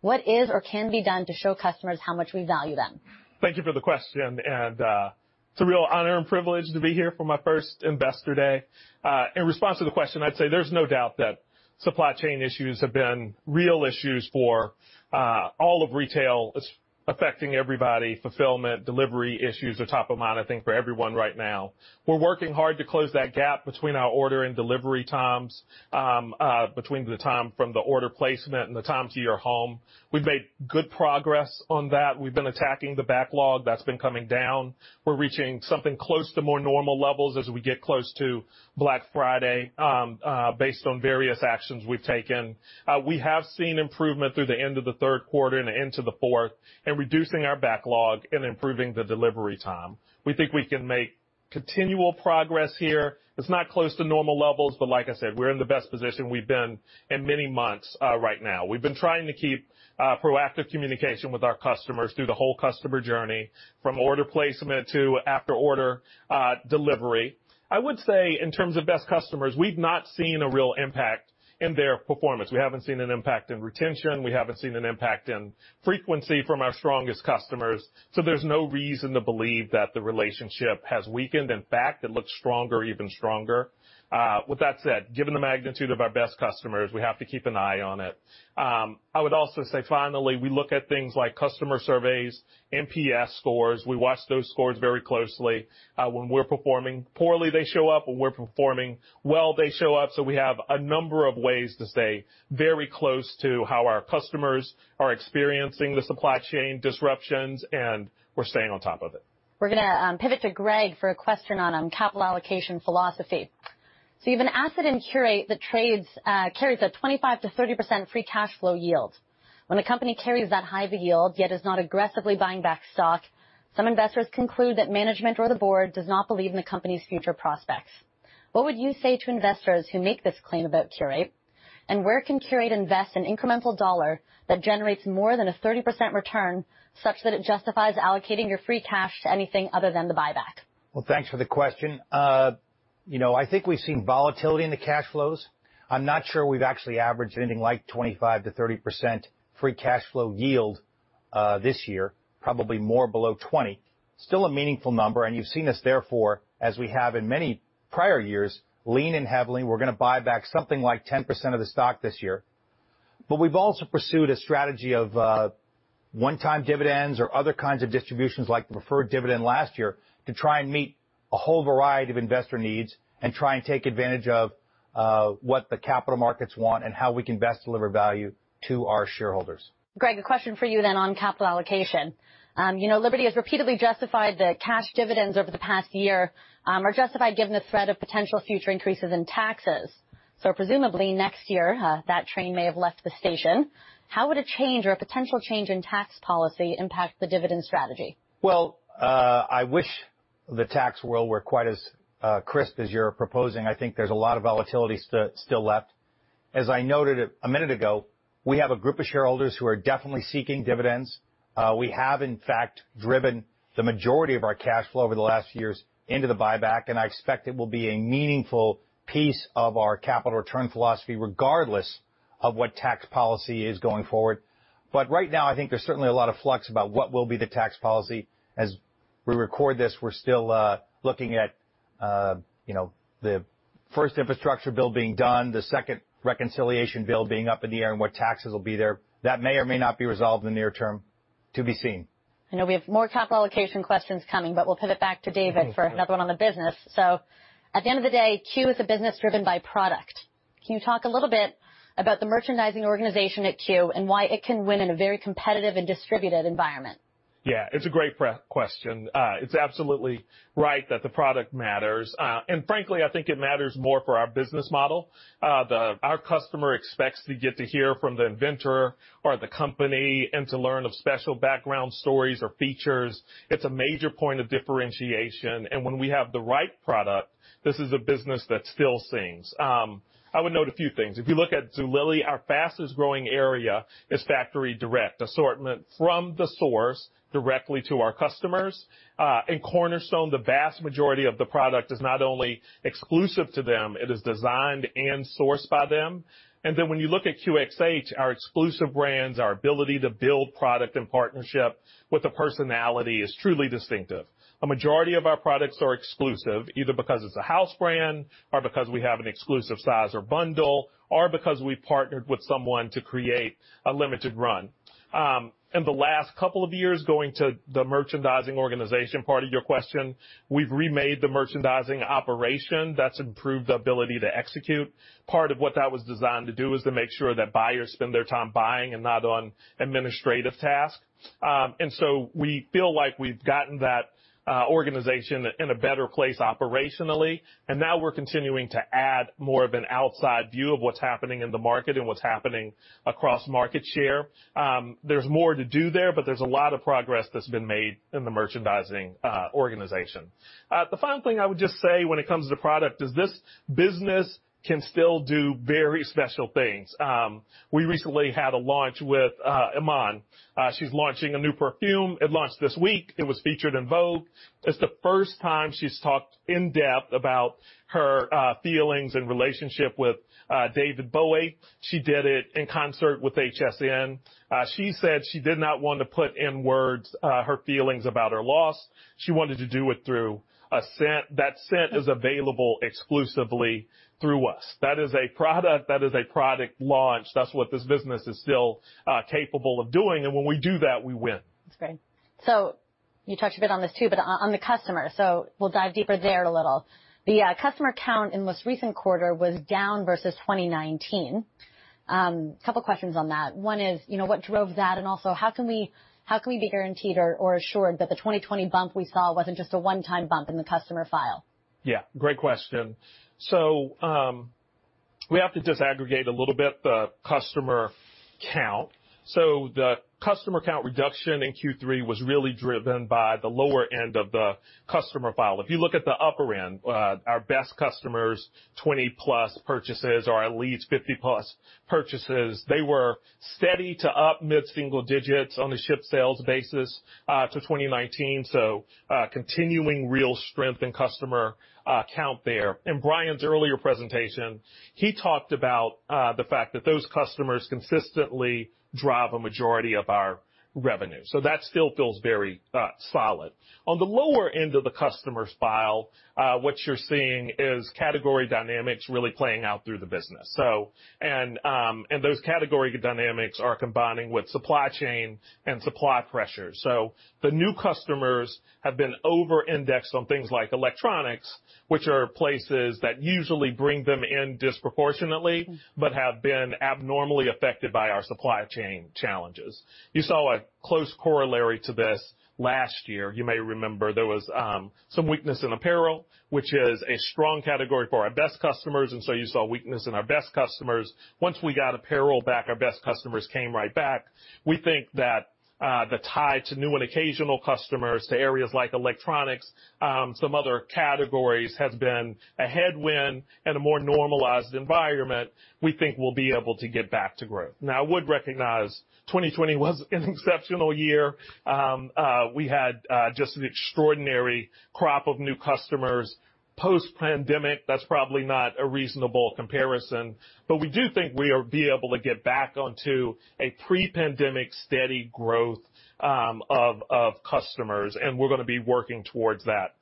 What is or can be done to show customers how much we value them? Thank you for the question, and it's a real honor and privilege to be here for my first Investor Day. In response to the question, I'd say there's no doubt that supply chain issues have been real issues for all of retail. It's affecting everybody. Fulfillment, delivery issues are top of mind, I think, for everyone right now. We're working hard to close that gap between our order and delivery times, between the time from the order placement and the time to your home. We've made good progress on that. We've been attacking the backlog. That's been coming down. We're reaching something close to more normal levels as we get close to Black Friday, based on various actions we've taken. We have seen improvement through the end of the third quarter and into the fourth in reducing our backlog and improving the delivery time. We think we can make continual progress here. It's not close to normal levels, but like I said, we're in the best position we've been in many months, right now. We've been trying to keep proactive communication with our customers through the whole customer journey from order placement to after order, delivery. I would say in terms of best customers, we've not seen a real impact in their performance. We haven't seen an impact in retention. We haven't seen an impact in frequency from our strongest customers. There's no reason to believe that the relationship has weakened. In fact, it looks stronger, even stronger. With that said, given the magnitude of our best customers, we have to keep an eye on it. I would also say, finally, we look at things like customer surveys, NPS scores. We watch those scores very closely. When we're performing poorly, they show up. When we're performing well, they show up. We have a number of ways to stay very close to how our customers are experiencing the supply chain disruptions, and we're staying on top of it. We're gonna pivot to Greg for a question on capital allocation philosophy. You have an asset in Qurate that trades, carries a 25%-30% free cash flow yield. When a company carries that high of a yield, yet is not aggressively buying back stock, some investors conclude that management or the board does not believe in the company's future prospects. What would you say to investors who make this claim about Qurate? And where can Qurate invest an incremental dollar that generates more than a 30% return, such that it justifies allocating your free cash to anything other than the buyback? Well, thanks for the question. You know, I think we've seen volatility in the cash flows. I'm not sure we've actually averaged anything like 25%-30% free cash flow yield this year, probably more below 20%. Still a meaningful number, and you've seen us therefore, as we have in many prior years, lean in heavily. We're gonna buy back something like 10% of the stock this year. We've also pursued a strategy of one-time dividends or other kinds of distributions, like the preferred dividend last year, to try and meet a whole variety of investor needs and try and take advantage of what the capital markets want and how we can best deliver value to our shareholders. Greg, a question for you then on capital allocation. You know, Liberty has repeatedly justified that cash dividends over the past year are justified given the threat of potential future increases in taxes. Presumably next year, that train may have left the station. How would a change or a potential change in tax policy impact the dividend strategy? Well, I wish the tax world were quite as crisp as you're proposing. I think there's a lot of volatility still left. As I noted a minute ago, we have a group of shareholders who are definitely seeking dividends. We have in fact driven the majority of our cash flow over the last years into the buyback, and I expect it will be a meaningful piece of our capital return philosophy, regardless of what tax policy is going forward. Right now, I think there's certainly a lot of flux about what will be the tax policy. As we record this, we're still looking at, you know, the first infrastructure bill being done, the second reconciliation bill being up in the air, and what taxes will be there. That may or may not be resolved in the near term. To be seen. I know we have more capital allocation questions coming, but we'll pivot back to David for another one on the business. At the end of the day, Q is a business driven by product. Can you talk a little bit about the merchandising organization at Q and why it can win in a very competitive and distributed environment? Yeah, it's a great question. It's absolutely right that the product matters. Frankly, I think it matters more for our business model. Our customer expects to get to hear from the inventor or the company and to learn of special background stories or features. It's a major point of differentiation. When we have the right product, this is a business that still sings. I would note a few things. If you look at Zulily, our fastest growing area is factory direct, assortment from the source directly to our customers. In Cornerstone, the vast majority of the product is not only exclusive to them, it is designed and sourced by them. Then when you look at QxH, our exclusive brands, our ability to build product in partnership with a personality is truly distinctive. A majority of our products are exclusive, either because it's a house brand or because we have an exclusive size or bundle, or because we partnered with someone to create a limited run. In the last couple of years, going to the merchandising organization part of your question, we've remade the merchandising operation. That's improved the ability to execute. Part of what that was designed to do is to make sure that buyers spend their time buying and not on administrative tasks. We feel like we've gotten that organization in a better place operationally, and now we're continuing to add more of an outside view of what's happening in the market and what's happening across market share. There's more to do there, but there's a lot of progress that's been made in the merchandising organization. The final thing I would just say when it comes to product is this business can still do very special things. We recently had a launch with Iman. She's launching a new perfume. It launched this week. It was featured in Vogue. It's the first time she's talked in depth about her feelings and relationship with David Bowie. She did it in concert with HSN. She said she did not want to put in words her feelings about her loss. She wanted to do it through a scent. That scent is available exclusively through us. That is a product. That is a product launch. That's what this business is still capable of doing. When we do that, we win. That's great. You touched a bit on this too, but on the customer. We'll dive deeper there a little. The customer count in most recent quarter was down versus 2019. Couple questions on that. One is, you know, what drove that and also how can we be guaranteed or assured that the 2020 bump we saw wasn't just a one-time bump in the customer file? Yeah, great question. We have to disaggregate a little bit the customer count. The customer count reduction in Q3 was really driven by the lower end of the customer file. If you look at the upper end, our best customers, 20-plus purchases or our elites, 50-plus purchases, they were steady to up mid-single digits on a shipped sales basis to 2019. Continuing real strength in customer count there. In Brian's earlier presentation, he talked about the fact that those customers consistently drive a majority of our revenue, so that still feels very solid. On the lower end of the customers file, what you're seeing is category dynamics really playing out through the business, and those category dynamics are combining with supply chain and supply pressures. The new customers have been over-indexed on things like electronics, which are places that usually bring them in disproportionately, but have been abnormally affected by our supply chain challenges. You saw a close corollary to this last year. You may remember there was some weakness in apparel, which is a strong category for our best customers, and so you saw weakness in our best customers. Once we got apparel back, our best customers came right back. We think that the tie to new and occasional customers to areas like electronics, some other categories, has been a headwind. In a more normalized environment, we think we'll be able to get back to growth. Now, I would recognize 2020 was an exceptional year. We had just an extraordinary crop of new customers. Post-pandemic, that's probably not a reasonable comparison. We do think we'll be able to get back onto a pre-pandemic steady growth of customers, and we're gonna be working towards that.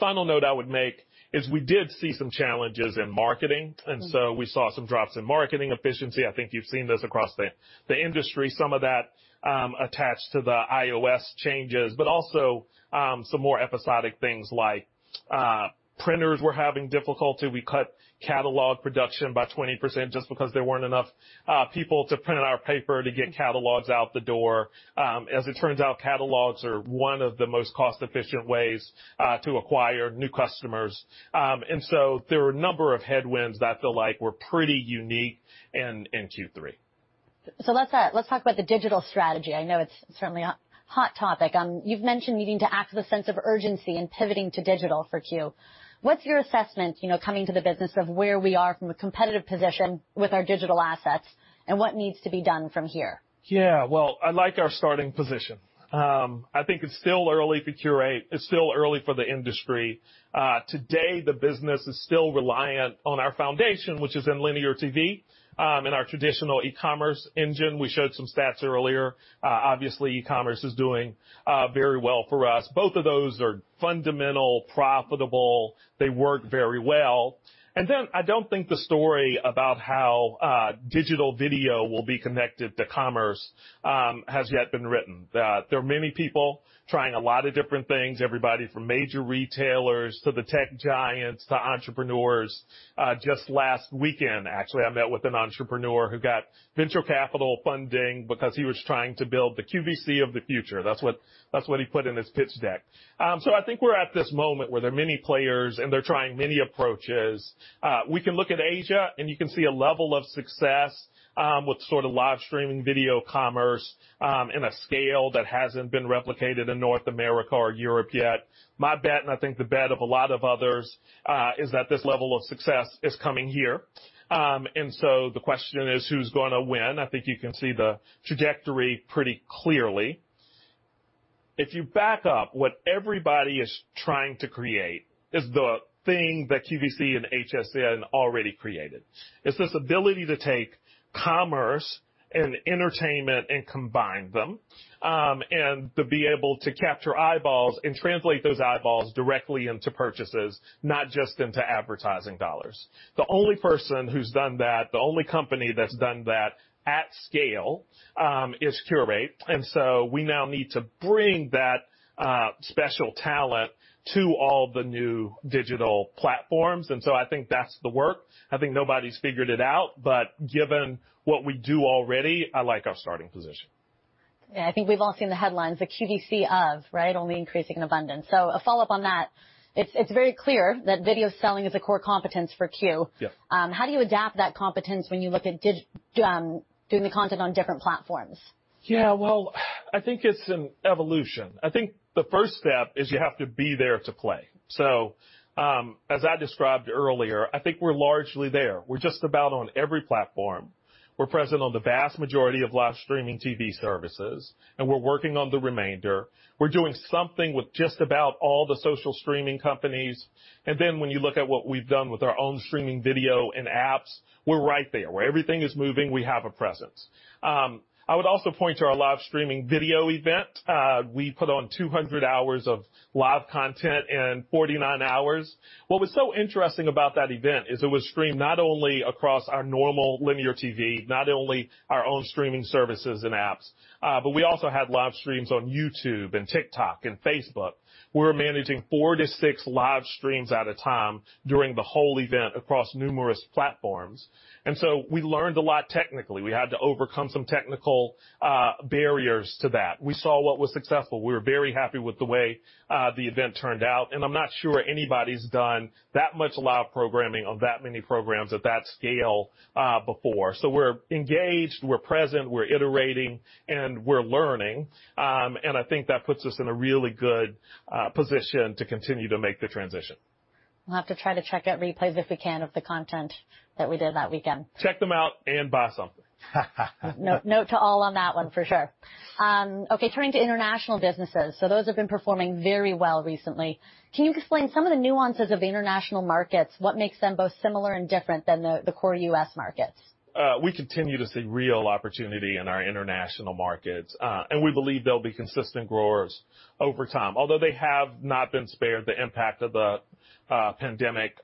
Final note I would make is we did see some challenges in marketing, and so we saw some drops in marketing efficiency. I think you've seen this across the industry, some of that attached to the iOS changes, but also some more episodic things like printers were having difficulty. We cut catalog production by 20% just because there weren't enough people to print our paper to get catalogs out the door. As it turns out, catalogs are one of the most cost-efficient ways to acquire new customers. There were a number of headwinds that feel like were pretty unique in Q3. Let's talk about the digital strategy. I know it's certainly a hot topic. You've mentioned needing to act with a sense of urgency in pivoting to digital for Q. What's your assessment, you know, coming to the business of where we are from a competitive position with our digital assets and what needs to be done from here? Yeah. Well, I like our starting position. I think it's still early for Qurate. It's still early for the industry. Today, the business is still reliant on our foundation, which is in linear TV, in our traditional e-commerce engine. We showed some stats earlier. Obviously e-commerce is doing very well for us. Both of those are fundamental, profitable. They work very well. I don't think the story about how digital video will be connected to commerce has yet been written. There are many people trying a lot of different things, everybody from major retailers to the tech giants to entrepreneurs. Just last weekend, actually, I met with an entrepreneur who got venture capital funding because he was trying to build the QVC of the future. That's what he put in his pitch deck. I think we're at this moment where there are many players, and they're trying many approaches. We can look at Asia, and you can see a level of success with sort of live streaming video commerce in a scale that hasn't been replicated in North America or Europe yet. My bet, and I think the bet of a lot of others, is that this level of success is coming here. The question is, who's gonna win? I think you can see the trajectory pretty clearly. If you back up, what everybody is trying to create is the thing that QVC and HSN already created. It's this ability to take commerce and entertainment and combine them, and to be able to capture eyeballs and translate those eyeballs directly into purchases, not just into advertising dollars. The only person who's done that, the only company that's done that at scale, is Qurate. We now need to bring that special talent to all the new digital platforms. I think that's the work. I think nobody's figured it out, but given what we do already, I like our starting position. Yeah, I think we've all seen the headlines, the QVC, right, only increasing in abundance. A follow-up on that, it's very clear that video selling is a core competence for Q. Yes. How do you adapt that competence when you look at doing the content on different platforms? Yeah, well, I think it's an evolution. I think the first step is you have to be there to play. As I described earlier, I think we're largely there. We're just about on every platform. We're present on the vast majority of live streaming TV services, and we're working on the remainder. We're doing something with just about all the social streaming companies. When you look at what we've done with our own streaming video and apps, we're right there. Where everything is moving, we have a presence. I would also point to our live streaming video event. We put on 200 hours of live content in 49 hours. What was so interesting about that event is it was streamed not only across our normal linear TV, not only our own streaming services and apps, but we also had live streams on YouTube and TikTok and Facebook. We were managing four-six live streams at a time during the whole event across numerous platforms. We learned a lot technically. We had to overcome some technical barriers to that. We saw what was successful. We were very happy with the way the event turned out, and I'm not sure anybody's done that much live programming of that many programs at that scale before. We're engaged, we're present, we're iterating, and we're learning. I think that puts us in a really good position to continue to make the transition. We'll have to try to check out replays if we can of the content that we did that weekend. Check them out and buy something. Note to all on that one, for sure. Okay, turning to international businesses. Those have been performing very well recently. Can you explain some of the nuances of the international markets, what makes them both similar and different than the core U.S. markets? We continue to see real opportunity in our international markets, and we believe they'll be consistent growers over time. Although they have not been spared the impact of the pandemic,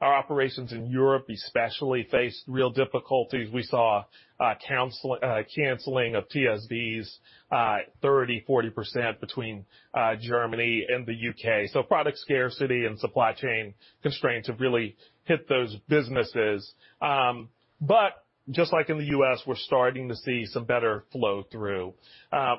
our operations in Europe especially faced real difficulties. We saw canceling of TSVs 30%-40% between Germany and the U.K. Product scarcity and supply chain constraints have really hit those businesses. Just like in the U.S., we're starting to see some better flow through.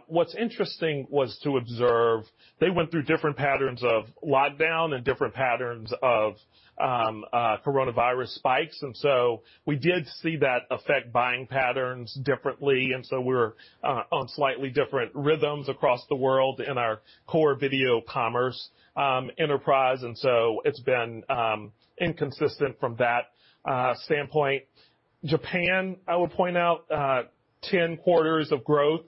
What's interesting was to observe. They went through different patterns of lockdown and different patterns of coronavirus spikes, and so we did see that affect buying patterns differently. We're on slightly different rhythms across the world in our core video commerce enterprise. It's been inconsistent from that standpoint. Japan, I would point out, 10 quarters of growth.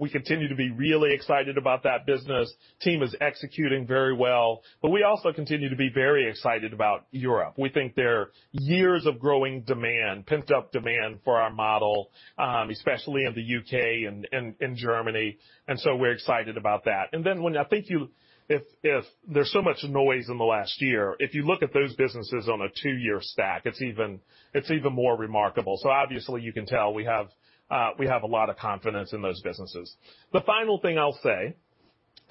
We continue to be really excited about that business. The team is executing very well, but we also continue to be very excited about Europe. We think there are years of growing demand, pent-up demand for our model, especially in the U.K. and in Germany, and so we're excited about that. When I think you—if there's so much noise in the last year, if you look at those businesses on a two-year stack, it's even more remarkable. So obviously you can tell we have a lot of confidence in those businesses. The final thing I'll say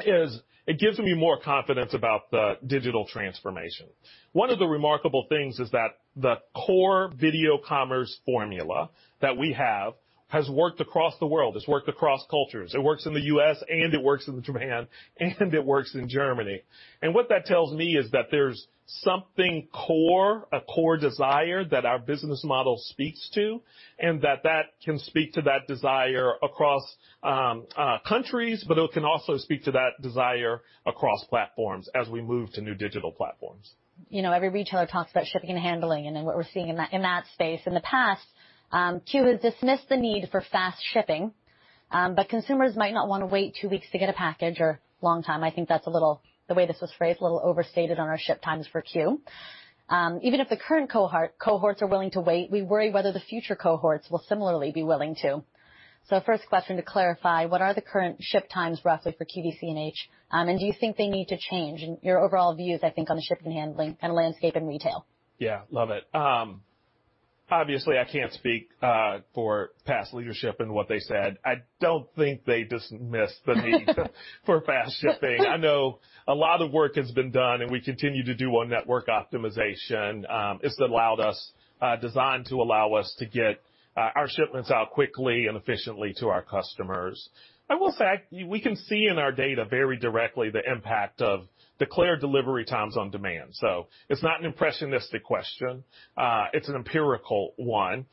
is it gives me more confidence about the digital transformation. One of the remarkable things is that the core video commerce formula that we have has worked across the world. It's worked across cultures. It works in the U.S., and it works in Japan, and it works in Germany. What that tells me is that there's something core, a core desire that our business model speaks to, and that that can speak to that desire across countries, but it can also speak to that desire across platforms as we move to new digital platforms. You know, every retailer talks about shipping and handling and then what we're seeing in that, in that space. In the past, Q has dismissed the need for fast shipping, but consumers might not wanna wait two weeks to get a package or long time. I think that's a little overstated on our shipping times for Q, the way this was phrased. Even if the current cohorts are willing to wait, we worry whether the future cohorts will similarly be willing to. First question to clarify, what are the current ship times roughly for QVC and HSN? Do you think they need to change? Your overall views, I think, on the shipping and handling landscape in retail. Yeah. Love it. Obviously, I can't speak for past leadership and what they said. I don't think they dismissed the need for fast shipping. I know a lot of work has been done, and we continue to do on network optimization. It's designed to allow us to get our shipments out quickly and efficiently to our customers. I will say, we can see in our data very directly the impact of declared delivery times on demand. It's not an impressionistic question, it's an empirical one.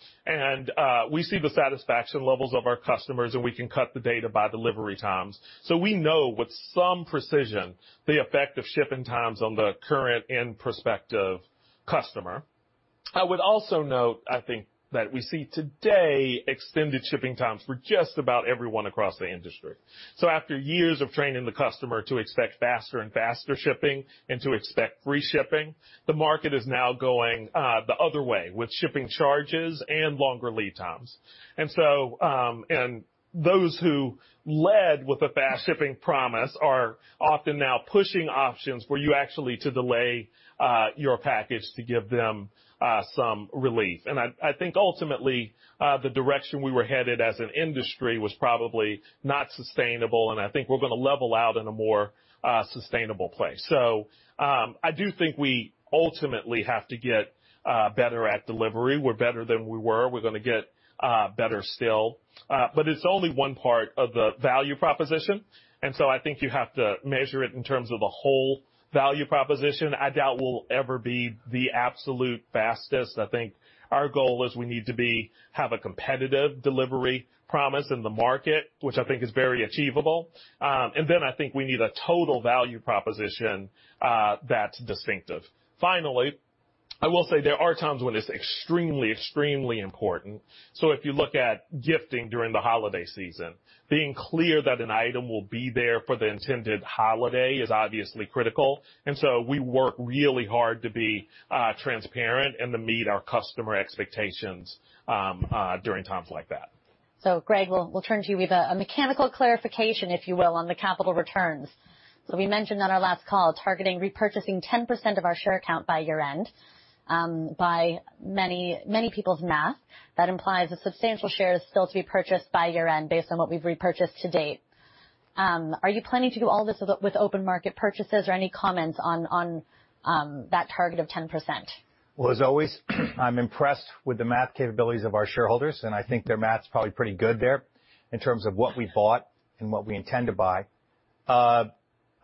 We see the satisfaction levels of our customers, and we can cut the data by delivery times. We know with some precision the effect of shipping times on the current and prospective customer. I would also note, I think that we see today extended shipping times for just about everyone across the industry. After years of training the customer to expect faster and faster shipping and to expect free shipping, the market is now going the other way with shipping charges and longer lead times. Those who led with a fast shipping promise are often now pushing options for you actually to delay your package to give them some relief. I think ultimately the direction we were headed as an industry was probably not sustainable, and I think we're gonna level out in a more sustainable place. I do think we ultimately have to get better at delivery. We're better than we were. We're gonna get better still. It's only one part of the value proposition, and so I think you have to measure it in terms of the whole value proposition. I doubt we'll ever be the absolute fastest. I think our goal is we need to have a competitive delivery promise in the market, which I think is very achievable. I think we need a total value proposition that's distinctive. Finally, I will say there are times when it's extremely important. If you look at gifting during the holiday season, being clear that an item will be there for the intended holiday is obviously critical. We work really hard to be transparent and to meet our customer expectations during times like that. Greg, we'll turn to you with a mechanical clarification, if you will, on the capital returns. We mentioned on our last call, targeting repurchasing 10% of our share count by year-end. By many, many people's math, that implies a substantial share is still to be purchased by year-end based on what we've repurchased to date. Are you planning to do all this with open market purchases, or any comments on that target of 10%? Well, as always, I'm impressed with the math capabilities of our shareholders, and I think their math's probably pretty good there in terms of what we bought and what we intend to buy.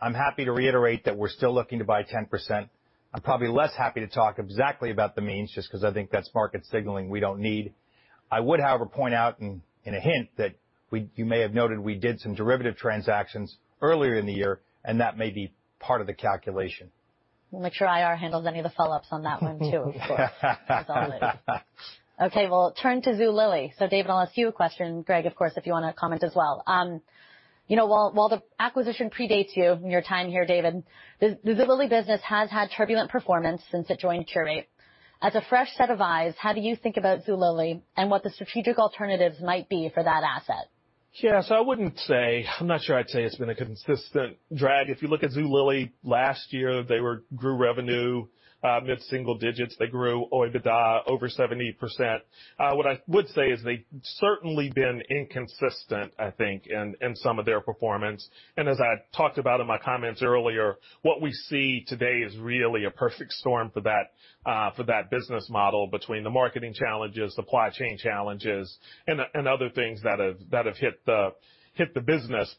I'm happy to reiterate that we're still looking to buy 10%. I'm probably less happy to talk exactly about the means just 'cause I think that's market signaling we don't need. I would, however, point out in a hint that you may have noted we did some derivative transactions earlier in the year, and that may be part of the calculation. We'll make sure IR handles any of the follow-ups on that one too, of course. That's all I'll leave you. Okay, we'll turn to Zulily. David, I'll ask you a question. Greg, of course, if you wanna comment as well. You know, while the acquisition predates you and your time here, David, the Zulily business has had turbulent performance since it joined Qurate. As a fresh set of eyes, how do you think about Zulily and what the strategic alternatives might be for that asset? Yeah. I wouldn't say I'm not sure I'd say it's been a consistent drag. If you look at Zulily last year, they grew revenue mid-single digits. They grew OIBDA over 70%. What I would say is they've certainly been inconsistent, I think, in some of their performance. As I talked about in my comments earlier, what we see today is really a perfect storm for that business model between the marketing challenges, supply chain challenges, and other things that have hit the business.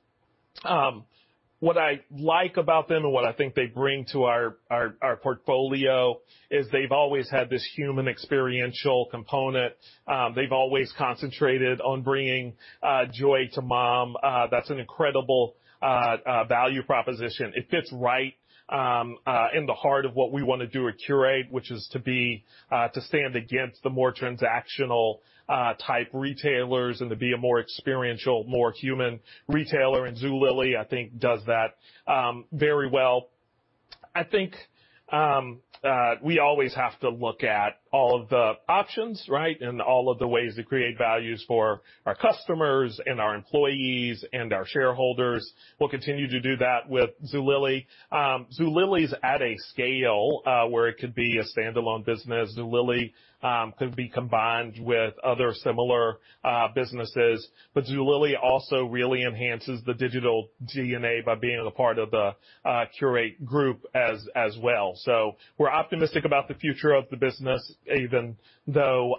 What I like about them and what I think they bring to our portfolio is they've always had this human experiential component. They've always concentrated on bringing joy to mom. That's an incredible value proposition. It fits right in the heart of what we wanna do at Qurate, which is to be to stand against the more transactional type retailers and to be a more experiential, more human retailer. Zulily, I think, does that very well. I think we always have to look at all of the options, right? All of the ways to create values for our customers and our employees and our shareholders. We'll continue to do that with Zulily. Zulily is at a scale where it could be a standalone business. Zulily could be combined with other similar businesses. But Zulily also really enhances the digital DNA by being a part of the Qurate group as well. We're optimistic about the future of the business, even though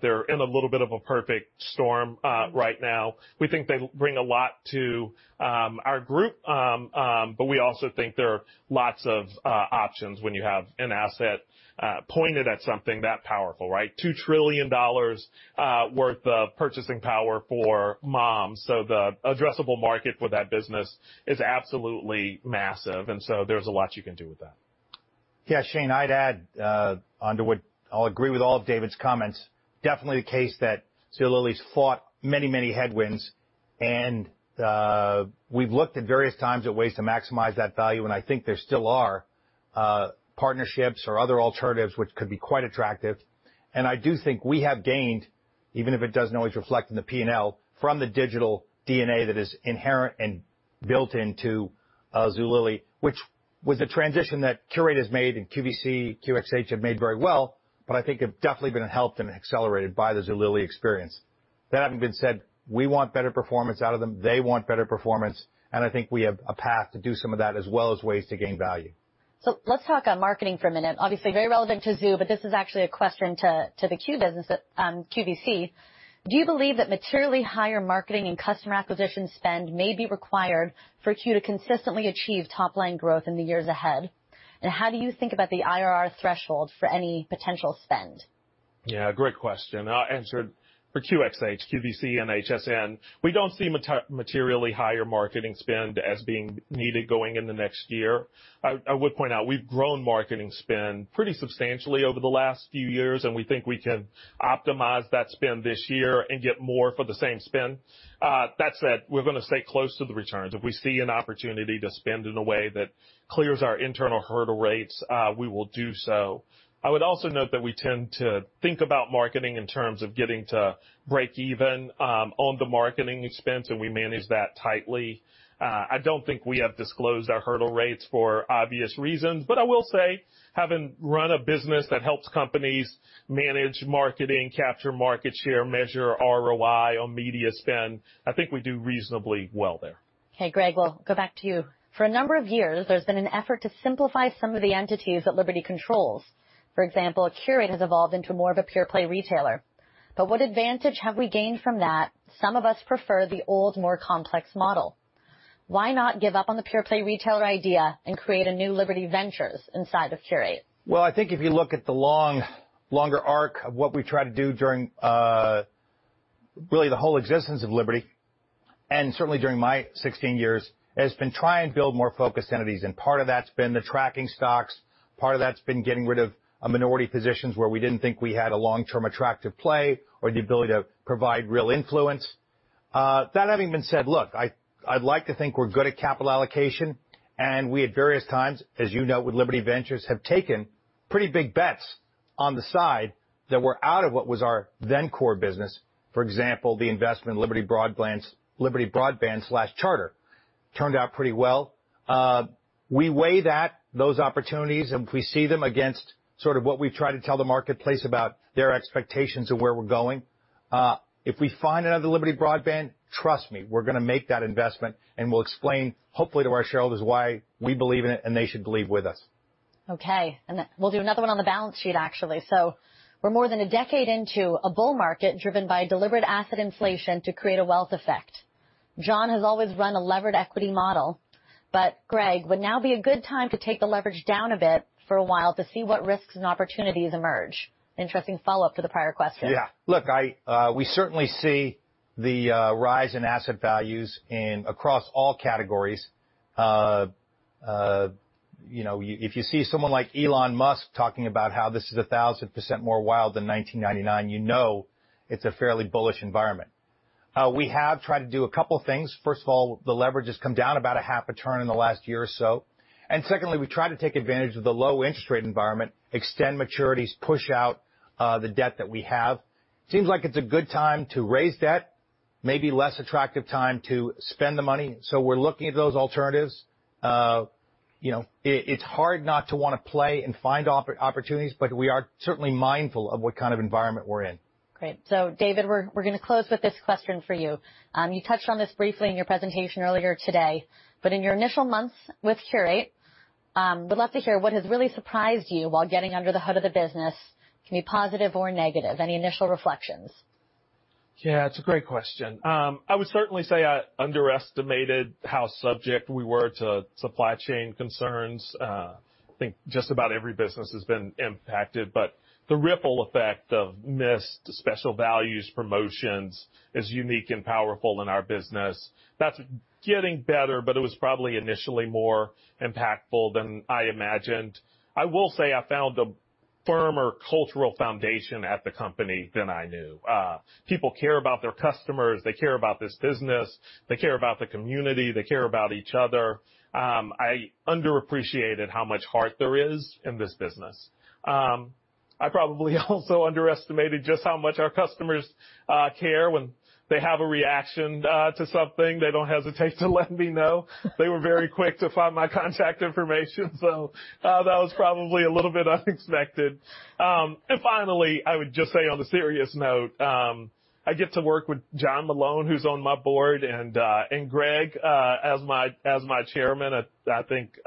they're in a little bit of a perfect storm right now. We think they bring a lot to our group, but we also think there are lots of options when you have an asset pointed at something that powerful, right? $2 trillion worth of purchasing power for moms. The addressable market for that business is absolutely massive. There's a lot you can do with that. Yeah. Shane, I'd add, I'll agree with all of David's comments. Definitely the case that Zulily's fought many, many headwinds. We've looked at various times at ways to maximize that value, and I think there still are partnerships or other alternatives which could be quite attractive. I do think we have gained, even if it doesn't always reflect in the P&L from the digital DNA that is inherent and built into Zulily, which was a transition that Qurate has made and QVC, QXH have made very well, but I think have definitely been helped and accelerated by the Zulily experience. That having been said, we want better performance out of them. They want better performance, and I think we have a path to do some of that as well as ways to gain value. Let's talk about marketing for a minute. Obviously, very relevant to Zulily, but this is actually a question to the Q business at QVC. Do you believe that materially higher marketing and customer acquisition spend may be required for Q to consistently achieve top-line growth in the years ahead? And how do you think about the IRR threshold for any potential spend? Yeah, great question. I'll answer it. For QxH, QVC, and HSN, we don't see materially higher marketing spend as being needed going in the next year. I would point out we've grown marketing spend pretty substantially over the last few years, and we think we can optimize that spend this year and get more for the same spend. That said, we're gonna stay close to the returns. If we see an opportunity to spend in a way that clears our internal hurdle rates, we will do so. I would also note that we tend to think about marketing in terms of getting to break even on the marketing expense, and we manage that tightly. I don't think we have disclosed our hurdle rates for obvious reasons, but I will say, having run a business that helps companies manage marketing, capture market share, measure ROI on media spend, I think we do reasonably well there. Okay, Greg, we'll go back to you. For a number of years, there's been an effort to simplify some of the entities that Liberty controls. For example, Qurate has evolved into more of a pure play retailer. What advantage have we gained from that? Some of us prefer the old, more complex model. Why not give up on the pure play retailer idea and create a new Liberty Ventures inside of Qurate? Well, I think if you look at the longer arc of what we try to do during really the whole existence of Liberty, and certainly during my 16 years, it has been try and build more focused entities. Part of that's been the tracking stocks. Part of that's been getting rid of a minority positions where we didn't think we had a long-term attractive play or the ability to provide real influence. That having been said, look, I'd like to think we're good at capital allocation, and we at various times, as you know, with Liberty Ventures, have taken pretty big bets on the side that were out of what was our then core business. For example, the investment Liberty Broadband, Liberty Broadband/Charter turned out pretty well. We weigh that, those opportunities, and we see them against sort of what we try to tell the marketplace about their expectations and where we're going. If we find another Liberty Broadband, trust me, we're gonna make that investment, and we'll explain hopefully to our shareholders why we believe in it and they should believe with us. Okay. Then we'll do another one on the balance sheet, actually. We're more than a decade into a bull market driven by deliberate asset inflation to create a wealth effect. John has always run a levered equity model. Greg, would now be a good time to take the leverage down a bit for a while to see what risks and opportunities emerge? Interesting follow-up to the prior question. Yeah. Look, we certainly see the rise in asset values across all categories. You know, if you see someone like Elon Musk talking about how this is 1,000% more wild than 1999, you know it's a fairly bullish environment. We have tried to do a couple things. First of all, the leverage has come down about a half a turn in the last year or so. Secondly, we try to take advantage of the low interest rate environment, extend maturities, push out the debt that we have. Seems like it's a good time to raise debt, maybe less attractive time to spend the money. We're looking at those alternatives. You know, it's hard not to wanna play and find opportunities, but we are certainly mindful of what kind of environment we're in. Great. David, we're gonna close with this question for you. You touched on this briefly in your presentation earlier today, but in your initial months with Qurate, we'd love to hear what has really surprised you while getting under the hood of the business. Can be positive or negative. Any initial reflections? Yeah, it's a great question. I would certainly say I underestimated how subject we were to supply chain concerns. I think just about every business has been impacted, but the ripple effect of missed special values promotions is unique and powerful in our business. That's getting better, but it was probably initially more impactful than I imagined. I will say I found a firmer cultural foundation at the company than I knew. People care about their customers. They care about this business. They care about the community. They care about each other. I underappreciated how much heart there is in this business. I probably also underestimated just how much our customers care when they have a reaction to something. They don't hesitate to let me know. They were very quick to find my contact information, so that was probably a little bit unexpected. Finally, I would just say on a serious note, I get to work with John Malone, who's on my board, and Greg, as my chairman. I think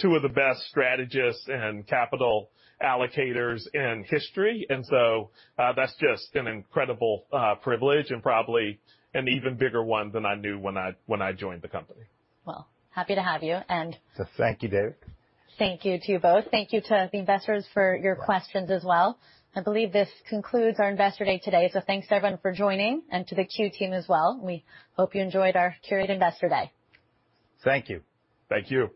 two of the best strategists and capital allocators in history. That's just an incredible privilege and probably an even bigger one than I knew when I joined the company. Well, happy to have you. Thank you, David. Thank you to you both. Thank you to the investors for your questions as well. I believe this concludes our Investor Day today. Thanks everyone for joining and to the Q team as well. We hope you enjoyed our Qurate Investor Day. Thank you. Thank you.